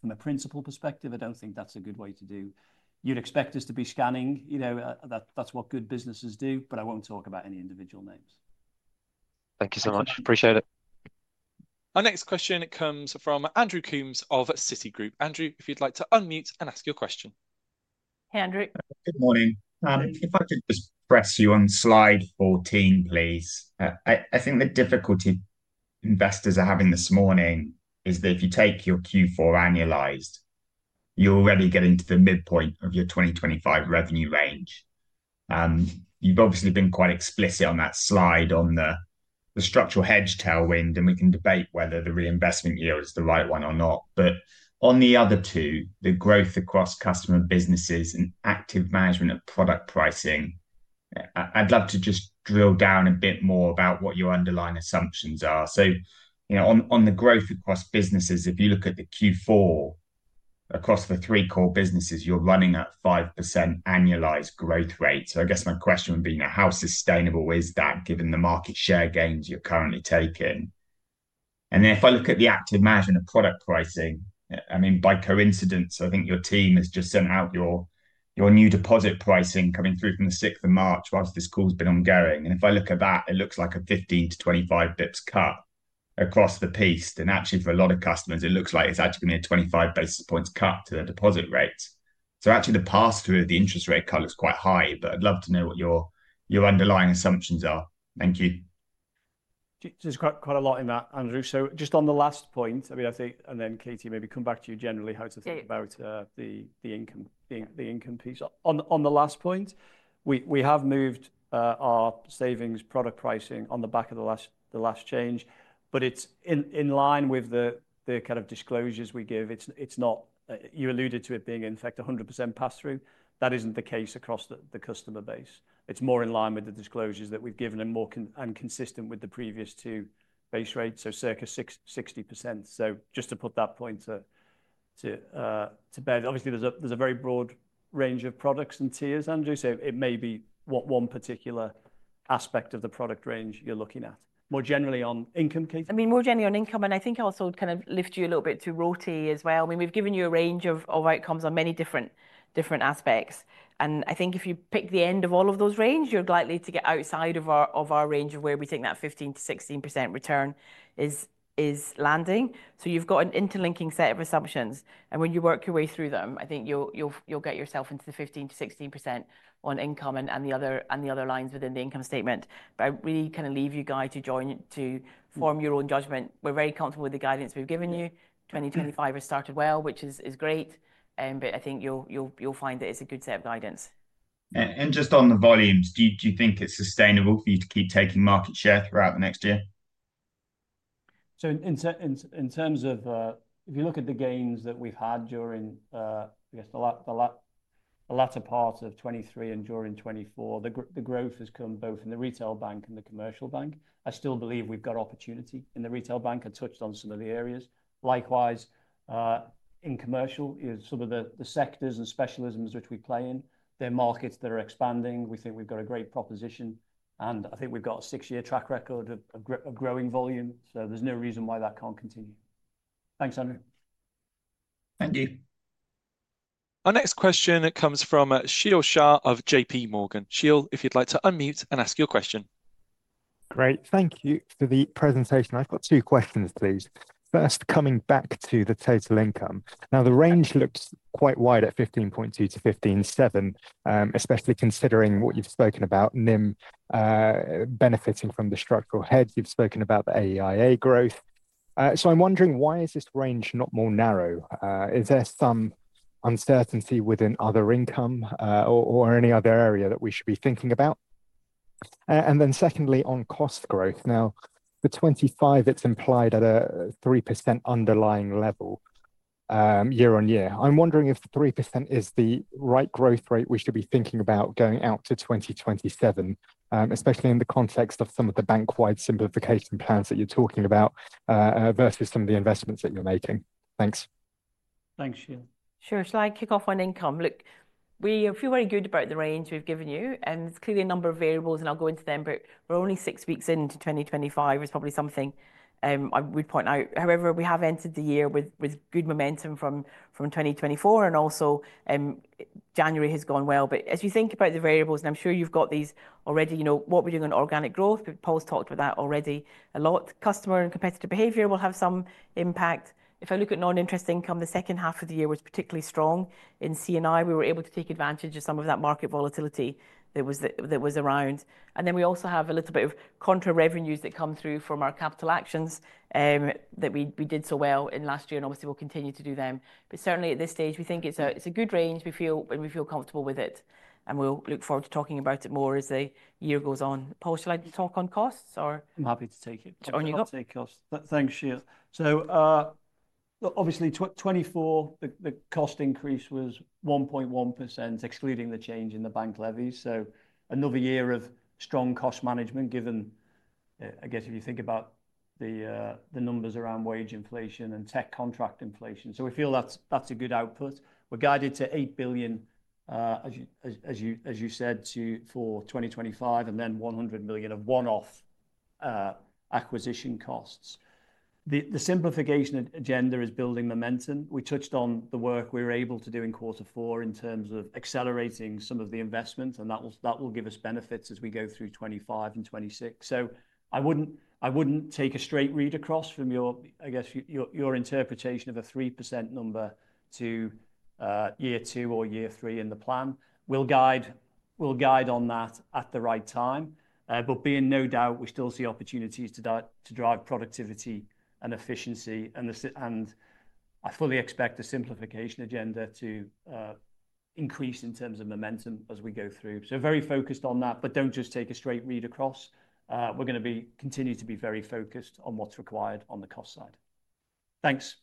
From a principal perspective, I don't think that's a good way to do. You'd expect us to be scanning. That's what good businesses do, but I won't talk about any individual names. Thank you so much. Appreciate it. Our next question comes from Andrew Coombs of Citigroup. Andrew, if you'd like to unmute and ask your question. Hey, Andrew. Good morning. If I could just press you on slide 14, please. I think the difficulty investors are having this morning is that if you take your Q4 annualized, you're already getting to the midpoint of your 2025 revenue range. You've obviously been quite explicit on that slide on the structural hedge tailwind, and we can debate whether the reinvestment yield is the right one or not. But on the other two, the growth across customer businesses and active management of product pricing, I'd love to just drill down a bit more about what your underlying assumptions are. So on the growth across businesses, if you look at the Q4, across the three core businesses, you're running at 5% annualized growth rate. So I guess my question would be, how sustainable is that given the market share gains you're currently taking? Then if I look at the active management of product pricing, I mean, by coincidence, I think your team has just sent out your new deposit pricing coming through from the 6th of March whilst this call has been ongoing. And if I look at that, it looks like a 15-25 basis points cut across the piece. And actually, for a lot of customers, it looks like it's actually been a 25 basis points cut to the deposit rate. So actually, the pass-through of the interest rate cut looks quite high, but I'd love to know what your underlying assumptions are. Thank you. There's quite a lot in that, Andrew. So just on the last point, I mean, I think, and then Katie, maybe come back to you generally, how to think about the income piece. On the last point, we have moved our savings product pricing on the back of the last change, but it's in line with the kind of disclosures we give. You alluded to it being, in fact, 100% pass-through. That isn't the case across the customer base. It's more in line with the disclosures that we've given and more consistent with the previous two base rates, so circa 60%. So just to put that point to bed, obviously, there's a very broad range of products and tiers, Andrew. So it may be what one particular aspect of the product range you're looking at. More generally on income? I mean, more generally on income, and I think I'll also kind of lift you a little bit to ROTE as well. I mean, we've given you a range of outcomes on many different aspects. I think if you pick the end of all of those ranges, you're likely to get outside of our range of where we think that 15%-16% return is landing. So you've got an interlinking set of assumptions. And when you work your way through them, I think you'll get yourself into the 15%-16% on income and the other lines within the income statement. But I really kind of leave you guys to form your own judgment. We're very comfortable with the guidance we've given you. 2025 has started well, which is great. But I think you'll find that it's a good set of guidance. And just on the volumes, do you think it's sustainable for you to keep taking market share throughout the next year? So in terms of if you look at the gains that we've had during, I guess, the latter part of 2023 and during 2024, the growth has come both in the retail bank and the commercial bank. I still believe we've got opportunity in the retail bank. I touched on some of the areas. Likewise, in commercial, some of the sectors and specialisms which we play in, they're markets that are expanding. We think we've got a great proposition. And I think we've got a six-year track record of growing volume. So there's no reason why that can't continue. Thanks, Andrew. Thank you. Our next question, it comes from Sheil Shah of J.P. Morgan. Sheil, if you'd like to unmute and ask your question. Great. Thank you for the presentation. I've got two questions, please. First, coming back to the total income. Now, the range looks quite wide at 15.2-15.7, especially considering what you've spoken about, NII benefiting from the structural hedge. You've spoken about the AIEA growth. So I'm wondering, why is this range not more narrow? Is there some uncertainty within other income or any other area that we should be thinking about? And then secondly, on cost growth. Now, for 2025, it's implied at a 3% underlying level year on year. I'm wondering if the 3% is the right growth rate we should be thinking about going out to 2027, especially in the context of some of the bank-wide simplification plans that you're talking about versus some of the investments that you're making. Thanks. Thanks, Sheil. Sure. So I kick off on income. Look, we feel very good about the range we've given you. It's clearly a number of variables, and I'll go into them, but we're only six weeks into 2025. It's probably something I would point out. However, we have entered the year with good momentum from 2024, and also January has gone well. But as you think about the variables, and I'm sure you've got these already, what we're doing on organic growth, Paul's talked about that already a lot. Customer and competitor behavior will have some impact. If I look at non-interest income, the second half of the year was particularly strong. In C&I, we were able to take advantage of some of that market volatility that was around. And then we also have a little bit of contra revenues that come through from our capital actions that we did so well in last year, and obviously, we'll continue to do them. But certainly, at this stage, we think it's a good range, and we feel comfortable with it. And we'll look forward to talking about it more as the year goes on. Paul, would you like to talk on costs or? I'm happy to take it. On you go. Thanks, Sheil. So obviously, 2024, the cost increase was 1.1%, excluding the change in the bank levies. So another year of strong cost management, given, I guess, if you think about the numbers around wage inflation and tech contract inflation. So we feel that's a good output. We're guided to £8 billion, as you said, for 2025, and then £100 million of one-off acquisition costs. The simplification agenda is building momentum. We touched on the work we were able to do in quarter four in terms of accelerating some of the investments, and that will give us benefits as we go through 2025 and 2026. So I wouldn't take a straight read across from your, I guess, your interpretation of a 3% number to year two or year three in the plan. We'll guide on that at the right time. But be in no doubt, we still see opportunities to drive productivity and efficiency. And I fully expect the simplification agenda to increase in terms of momentum as we go through. So very focused on that, but don't just take a straight read across. We're going to continue to be very focused on what's required on the cost side. Thanks.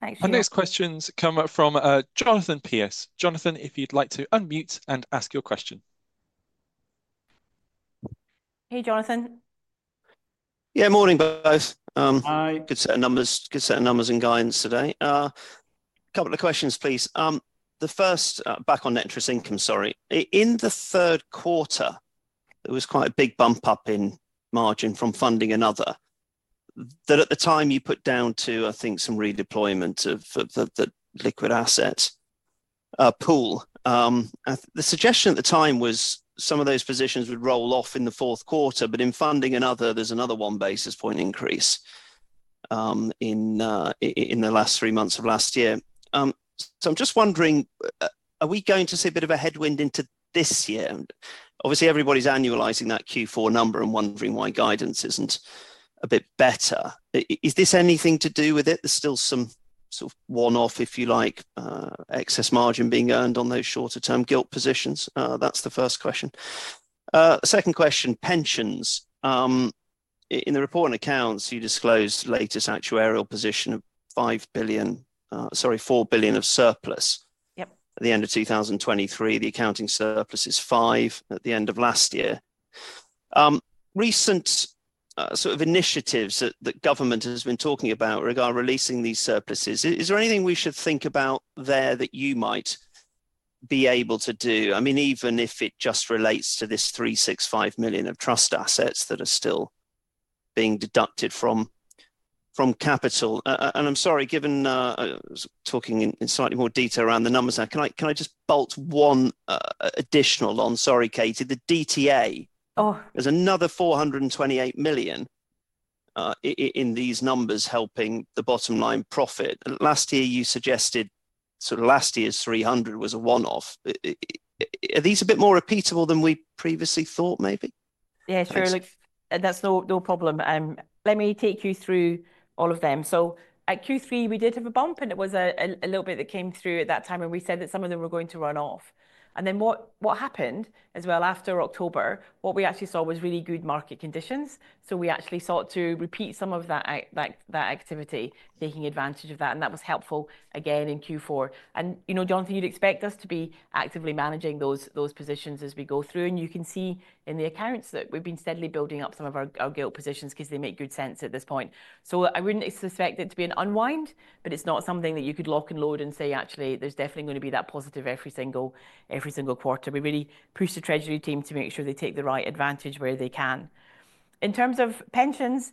Thanks. Our next questions come up from Jonathan Pierce. Jonathan, if you'd like to unmute and ask your question. Hey, Jonathan. Yeah, morning, both. Good set of numbers, good set of numbers and guidance today. A couple of questions, please. The first, back on interest income, sorry. In the third quarter, there was quite a big bump up in margin from funding and other that at the time you put down to, I think, some redeployment of the liquid asset pool. The suggestion at the time was some of those positions would roll off in the fourth quarter, but in funding and other, there's another one basis point increase in the last three months of last year. So I'm just wondering, are we going to see a bit of a headwind into this year? Obviously, everybody's annualizing that Q4 number and wondering why guidance isn't a bit better. Is this anything to do with it? There's still some sort of one-off, if you like, excess margin being earned on those shorter-term gilt positions. That's the first question. Second question, pensions. In the report and accounts, you disclosed the latest actuarial position of £5 billion, sorry, £4 billion of surplus at the end of 2023. The accounting surplus is £5 billion at the end of last year. Recent sort of initiatives that government has been talking about regarding releasing these surpluses, is there anything we should think about there that you might be able to do? I mean, even if it just relates to this £365 million of trust assets that are still being deducted from capital. And I'm sorry, given talking in slightly more detail around the numbers now, can I just bolt one additional on? Sorry, Katie, the DTA. There's another £428 million in these numbers helping the bottom line profit. Last year, you suggested sort of last year's £300 million was a one-off. Are these a bit more repeatable than we previously thought, maybe? Yeah, sure. That's no problem. Let me take you through all of them. So at Q3, we did have a bump, and it was a little bit that came through at that time when we said that some of them were going to run off. And then what happened as well after October, what we actually saw was really good market conditions. So we actually sought to repeat some of that activity, taking advantage of that. And that was helpful again in Q4. And you know, Jonathan, you'd expect us to be actively managing those positions as we go through. And you can see in the accounts that we've been steadily building up some of our gilt positions because they make good sense at this point. So I wouldn't expect it to be an unwind, but it's not something that you could lock and load and say, actually, there's definitely going to be that positive every single quarter. We really push the Treasury team to make sure they take the right advantage where they can. In terms of pensions,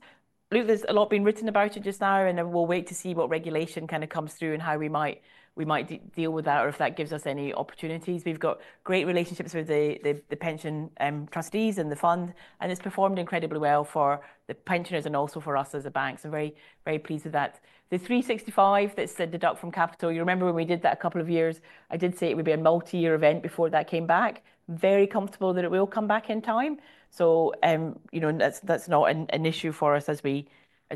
there's a lot being written about it just now, and we'll wait to see what regulation kind of comes through and how we might deal with that or if that gives us any opportunities. We've got great relationships with the pension trustees and the fund, and it's performed incredibly well for the pensioners and also for us as a bank. So very pleased with that. The 365 that's deducted from capital, you remember when we did that a couple of years, I did say it would be a multi-year event before that came back. Very comfortable that it will come back in time, so that's not an issue for us as we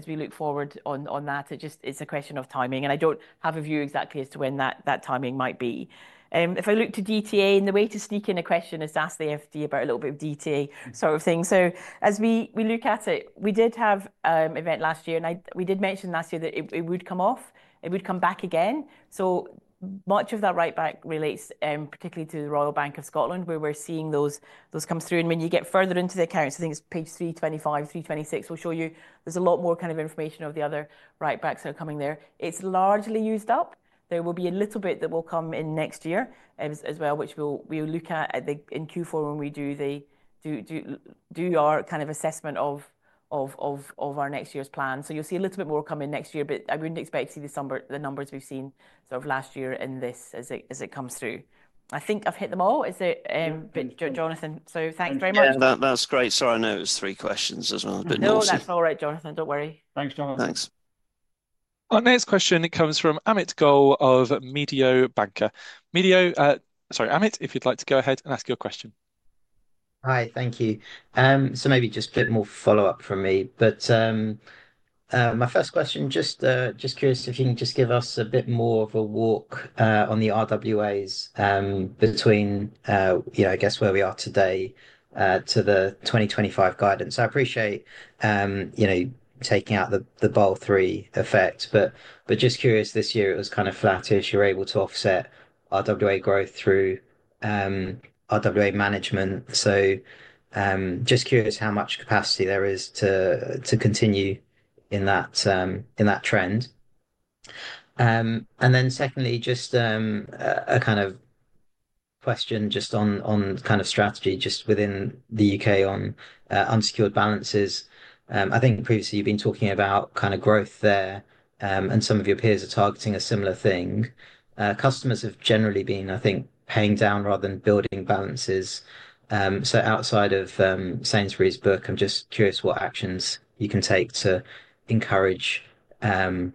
look forward on that. It's a question of timing, and I don't have a view exactly as to when that timing might be. If I look to DTA, and the way to sneak in a question is to ask about a little bit of DTA sort of thing, so as we look at it, we did have an event last year, and we did mention last year that it would come off. It would come back again. So much of that write-back relates particularly to the Royal Bank of Scotland, where we're seeing those come through, and when you get further into the accounts, I think it's page 325, 326 will show you there's a lot more kind of information of the other write-backs that are coming there. It's largely used up. There will be a little bit that will come in next year as well, which we'll look at in Q4 when we do our kind of assessment of our next year's plan. So you'll see a little bit more coming next year, but I wouldn't expect to see the numbers we've seen sort of last year in this as it comes through. I think I've hit them all, is it, Jonathan? So thanks very much. Yeah, that's great. Sorry, I know it was three questions as well. No, that's all right, Jonathan. Don't worry. Thanks, Jonathan. Thanks. Our next question, it comes from Amit Goel of Mediobanca. Mediobanca, sorry, Amit, if you'd like to go ahead and ask your question. Hi, thank you. So maybe just a bit more follow-up from me. But my first question, just curious if you can just give us a bit more of a walk on the RWAs between, I guess, where we are today to the 2025 guidance. I appreciate taking out the Basel III effect, but just curious, this year it was kind of flattish. You're able to offset RWA growth through RWA management. So just curious how much capacity there is to continue in that trend. And then secondly, just a kind of question just on kind of strategy just within the U.K. on unsecured balances. I think previously you've been talking about kind of growth there, and some of your peers are targeting a similar thing. Customers have generally been, I think, paying down rather than building balances. So outside of Sainsbury's book, I'm just curious what actions you can take to encourage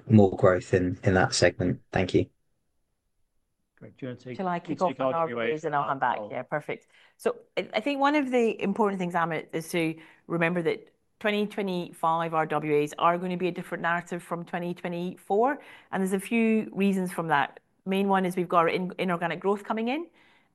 more growth in that segment. Thank you. Great. Do you want to take a question? Till I kick off RWAs and I'll come back. Yeah, perfect. So I think one of the important things, Amit, is to remember that 2025 RWAs are going to be a different narrative from 2024. And there's a few reasons for that. Main one is we've got our inorganic growth coming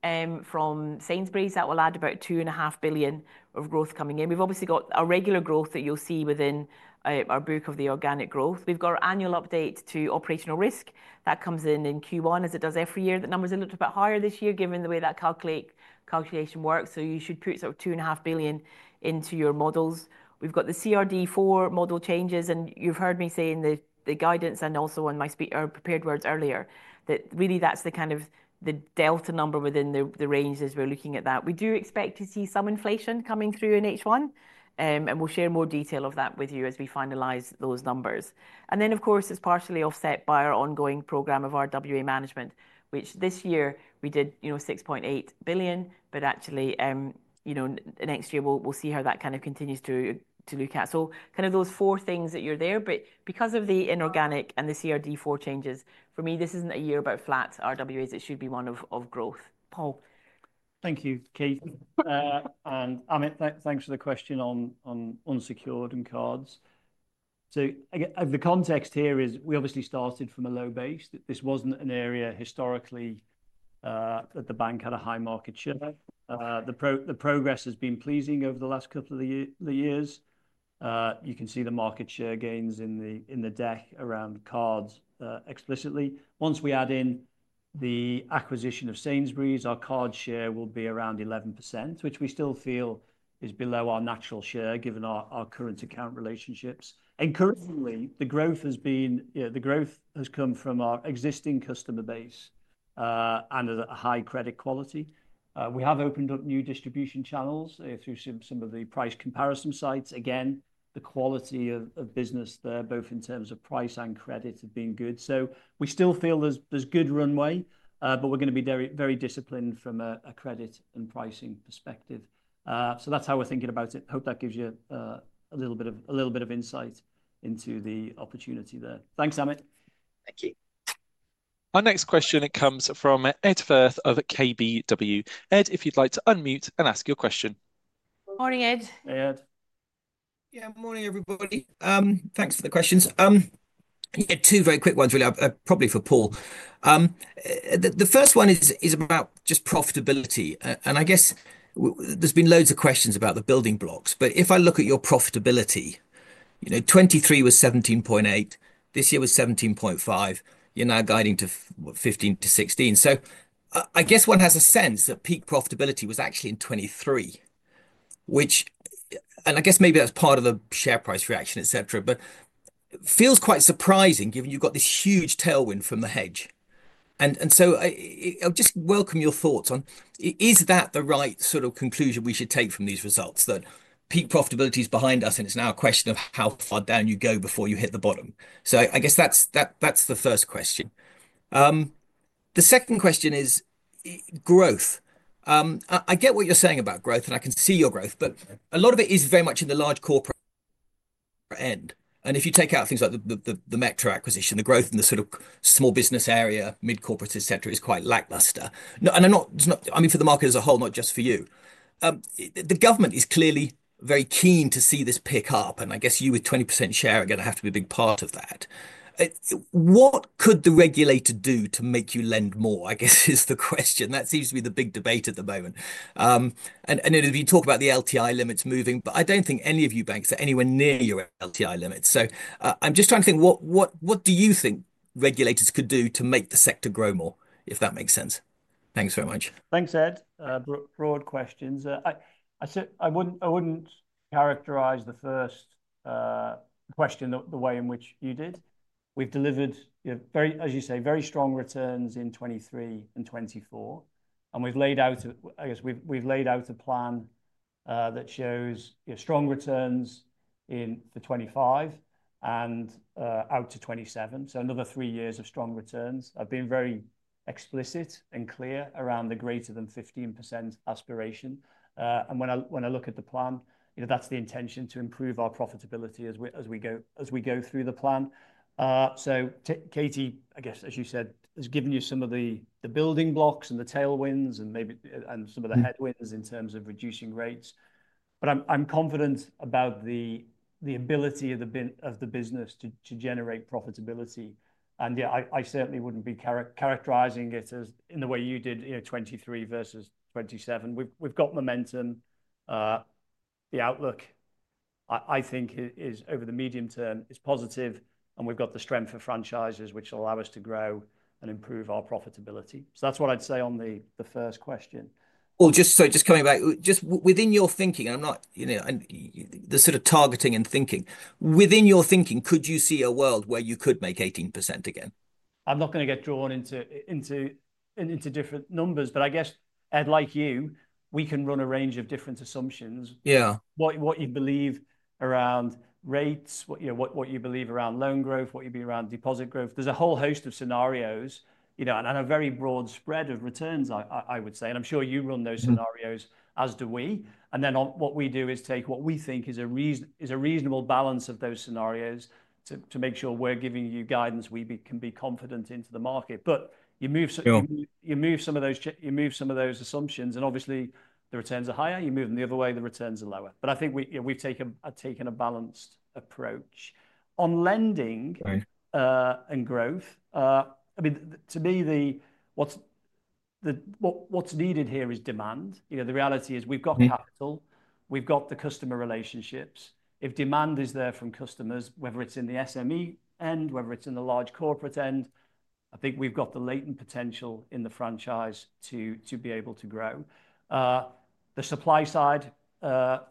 in from Sainsbury's. That will add about 2.5 billion of growth coming in. We've obviously got our regular growth that you'll see within our book of the organic growth. We've got our annual update to operational risk. That comes in in Q1 as it does every year. The numbers are a little bit higher this year given the way that calculation works. So you should put sort of 2.5 billion into your models. We've got the CRD IV model changes, and you've heard me say in the guidance and also in my prepared words earlier that really that's the kind of the delta number within the range as we're looking at that. We do expect to see some inflation coming through in H1, and we'll share more detail of that with you as we finalize those numbers. And then, of course, it's partially offset by our ongoing program of our RWA management, which this year we did £6.8 billion, but actually next year we'll see how that kind of continues to look at. So kind of those four things that you're there, but because of the inorganic and the CRD IV changes, for me, this isn't a year about flat RWAs. It should be one of growth. Paul. Thank you, Katie. And Amit, thanks for the question on unsecured and cards. The context here is we obviously started from a low base. This wasn't an area historically that the bank had a high market share. The progress has been pleasing over the last couple of years. You can see the market share gains in the deck around cards explicitly. Once we add in the acquisition of Sainsbury's, our card share will be around 11%, which we still feel is below our natural share given our current account relationships. Encouragingly, the growth has come from our existing customer base and a high credit quality. We have opened up new distribution channels through some of the price comparison sites. Again, the quality of business there, both in terms of price and credit, has been good. We still feel there's good runway, but we're going to be very disciplined from a credit and pricing perspective. So that's how we're thinking about it. Hope that gives you a little bit of insight into the opportunity there. Thanks, Amit. Thank you. Our next question, it comes from Ed Firth of KBW. Ed, if you'd like to unmute and ask your question. Morning, Ed. Hey, Ed. Yeah, morning, everybody. Thanks for the questions. Yeah, two very quick ones, really, probably for Paul. The first one is about just profitability. And I guess there's been loads of questions about the building blocks. But if I look at your profitability, 2023 was 17.8%. This year was 17.5%. You're now guiding to 15%-16%. So I guess one has a sense that peak profitability was actually in 2023, which, and I guess maybe that's part of the share price reaction, etc., but feels quite surprising given you've got this huge tailwind from the hedge. I'll just welcome your thoughts on, is that the right sort of conclusion we should take from these results that peak profitability is behind us and it's now a question of how far down you go before you hit the bottom? So I guess that's the first question. The second question is growth. I get what you're saying about growth and I can see your growth, but a lot of it is very much in the large corporate end. And if you take out things like the Metro acquisition, the growth in the sort of small business area, mid-corporate, etc., is quite lackluster. And I mean, for the market as a whole, not just for you. The government is clearly very keen to see this pick up. And I guess you with 20% share are going to have to be a big part of that. What could the regulator do to make you lend more, I guess, is the question. That seems to be the big debate at the moment. And if you talk about the LTI limits moving, but I don't think any of you banks are anywhere near your LTI limits. So I'm just trying to think, what do you think regulators could do to make the sector grow more, if that makes sense? Thanks very much. Thanks, Ed. Broad questions. I wouldn't characterize the first question the way in which you did. We've delivered, as you say, very strong returns in 2023 and 2024. And we've laid out, I guess we've laid out a plan that shows strong returns in 2025 and out to 2027. So another three years of strong returns. I've been very explicit and clear around the greater than 15% aspiration. When I look at the plan, that's the intention to improve our profitability as we go through the plan. So Katie, I guess, as you said, has given you some of the building blocks and the tailwinds and some of the headwinds in terms of reducing rates. But I'm confident about the ability of the business to generate profitability. And yeah, I certainly wouldn't be characterizing it as in the way you did 23 versus 27. We've got momentum. The outlook, I think, is over the medium term, is positive. And we've got the strength of franchises, which will allow us to grow and improve our profitability. So that's what I'd say on the first question. Well, just coming back, just within your thinking, and I'm not the sort of targeting and thinking. Within your thinking, could you see a world where you could make 18% again? I'm not going to get drawn into different numbers, but I guess, Ed, like you, we can run a range of different assumptions. Yeah, what you believe around rates, what you believe around loan growth, what you believe around deposit growth. There's a whole host of scenarios and a very broad spread of returns, I would say, and I'm sure you run those scenarios, as do we, then what we do is take what we think is a reasonable balance of those scenarios to make sure we're giving you guidance we can be confident into the market, but you move some of those assumptions, and obviously, the returns are higher. You move them the other way, the returns are lower, but I think we've taken a balanced approach. On lending and growth, I mean, to me, what's needed here is demand. The reality is we've got capital. We've got the customer relationships. If demand is there from customers, whether it's in the SME end, whether it's in the large corporate end, I think we've got the latent potential in the franchise to be able to grow. The supply side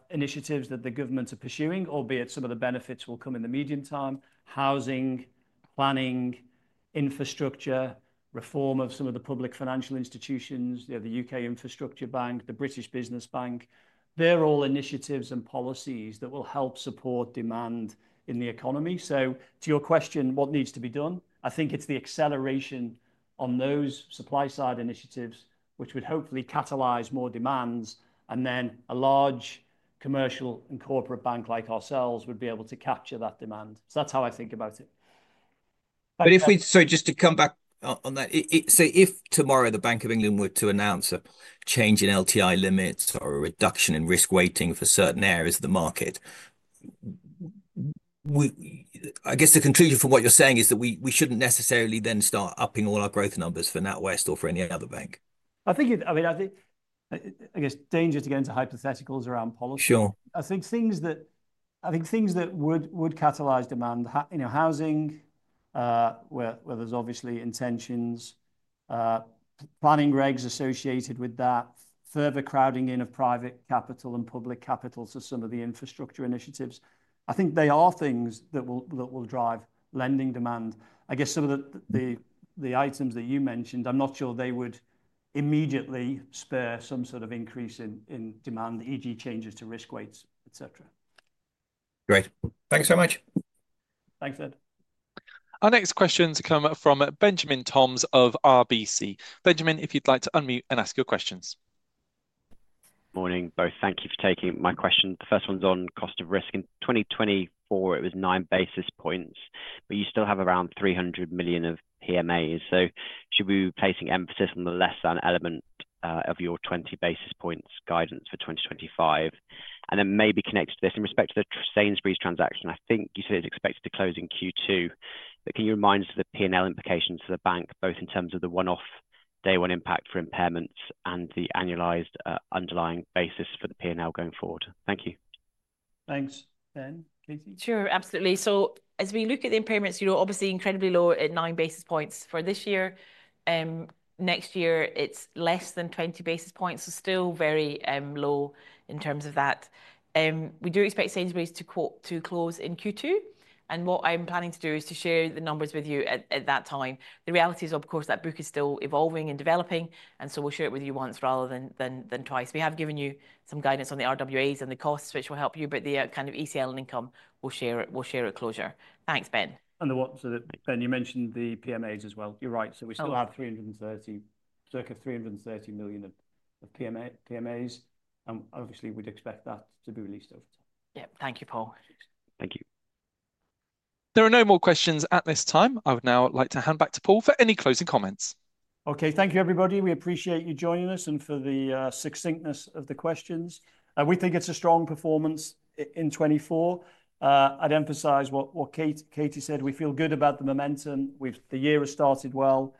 initiatives that the governments are pursuing, albeit some of the benefits will come in the medium term, housing, planning, infrastructure, reform of some of the public financial institutions, the UK Infrastructure Bank, the British Business Bank, they're all initiatives and policies that will help support demand in the economy. So to your question, what needs to be done, I think it's the acceleration on those supply side initiatives, which would hopefully catalyze more demands, and then a large commercial and corporate bank like ourselves would be able to capture that demand, so that's how I think about it. But if we, so just to come back on that, so if tomorrow the Bank of England were to announce a change in LTI limits or a reduction in risk weighting for certain areas of the market, I guess the conclusion from what you're saying is that we shouldn't necessarily then start upping all our growth numbers for NatWest or for any other bank. I think, I mean, I guess danger to get into hypotheticals around policy. Sure. I think things that would catalyze demand, housing, where there's obviously intentions, planning regs associated with that, further crowding in of private capital and public capital to some of the infrastructure initiatives. I think they are things that will drive lending demand. I guess some of the items that you mentioned, I'm not sure they would immediately spur some sort of increase in demand, e.g., changes to risk weights, etc. Great. Thanks very much. Thanks, Ed. Our next question has come from Benjamin Toms of RBC. Benjamin, if you'd like to unmute and ask your questions. Morning, both. Thank you for taking my question. The first one's on cost of risk. In 2024, it was nine basis points, but you still have around £300 million of PMAs. So should we be placing emphasis on the less than element of your 20 basis points guidance for 2025? And then maybe connect to this in respect to the Sainsbury's transaction. I think you said it's expected to close in Q2. But can you remind us of the P&L implications to the bank, both in terms of the one-off day one impact for impairments and the annualized underlying basis for the P&L going forward? Thank you. Thanks. Then, Katie? Sure, absolutely. So as we look at the impairments, you're obviously incredibly low at nine basis points for this year. Next year, it's less than 20 basis points. So still very low in terms of that. We do expect Sainsbury's to close in Q2. And what I'm planning to do is to share the numbers with you at that time. The reality is, of course, that book is still evolving and developing. And so we'll share it with you once rather than twice. We have given you some guidance on the RWAs and the costs, which will help you, but the kind of ECL and income, we'll share at closure. Thanks, Ben. And the ones that Ben, you mentioned the PMAs as well. You're right. So we still have circa £330 million of PMAs. And obviously, we'd expect that to be released over time. Yeah, thank you, Paul. Thank you. There are no more questions at this time. I would now like to hand back to Paul for any closing comments. Okay, thank you, everybody. We appreciate you joining us and for the succinctness of the questions. We think it's a strong performance in 2024. I'd emphasize what Katie said. We feel good about the momentum. The year has started well.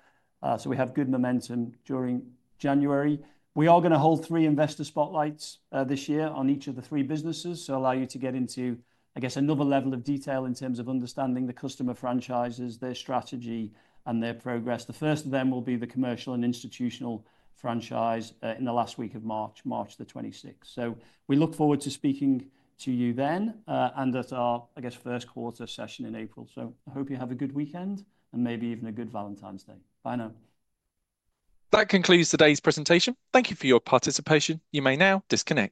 So we have good momentum during January. We are going to hold three investor spotlights this year on each of the three businesses to allow you to get into, I guess, another level of detail in terms of understanding the customer franchises, their strategy, and their progress. The first of them will be the commercial and institutional franchise in the last week of March, March the 26th. So we look forward to speaking to you then and at our, I guess, first quarter session in April. So I hope you have a good weekend and maybe even a good Valentine's Day. Bye now. That concludes today's presentation. Thank you for your participation. You may now disconnect.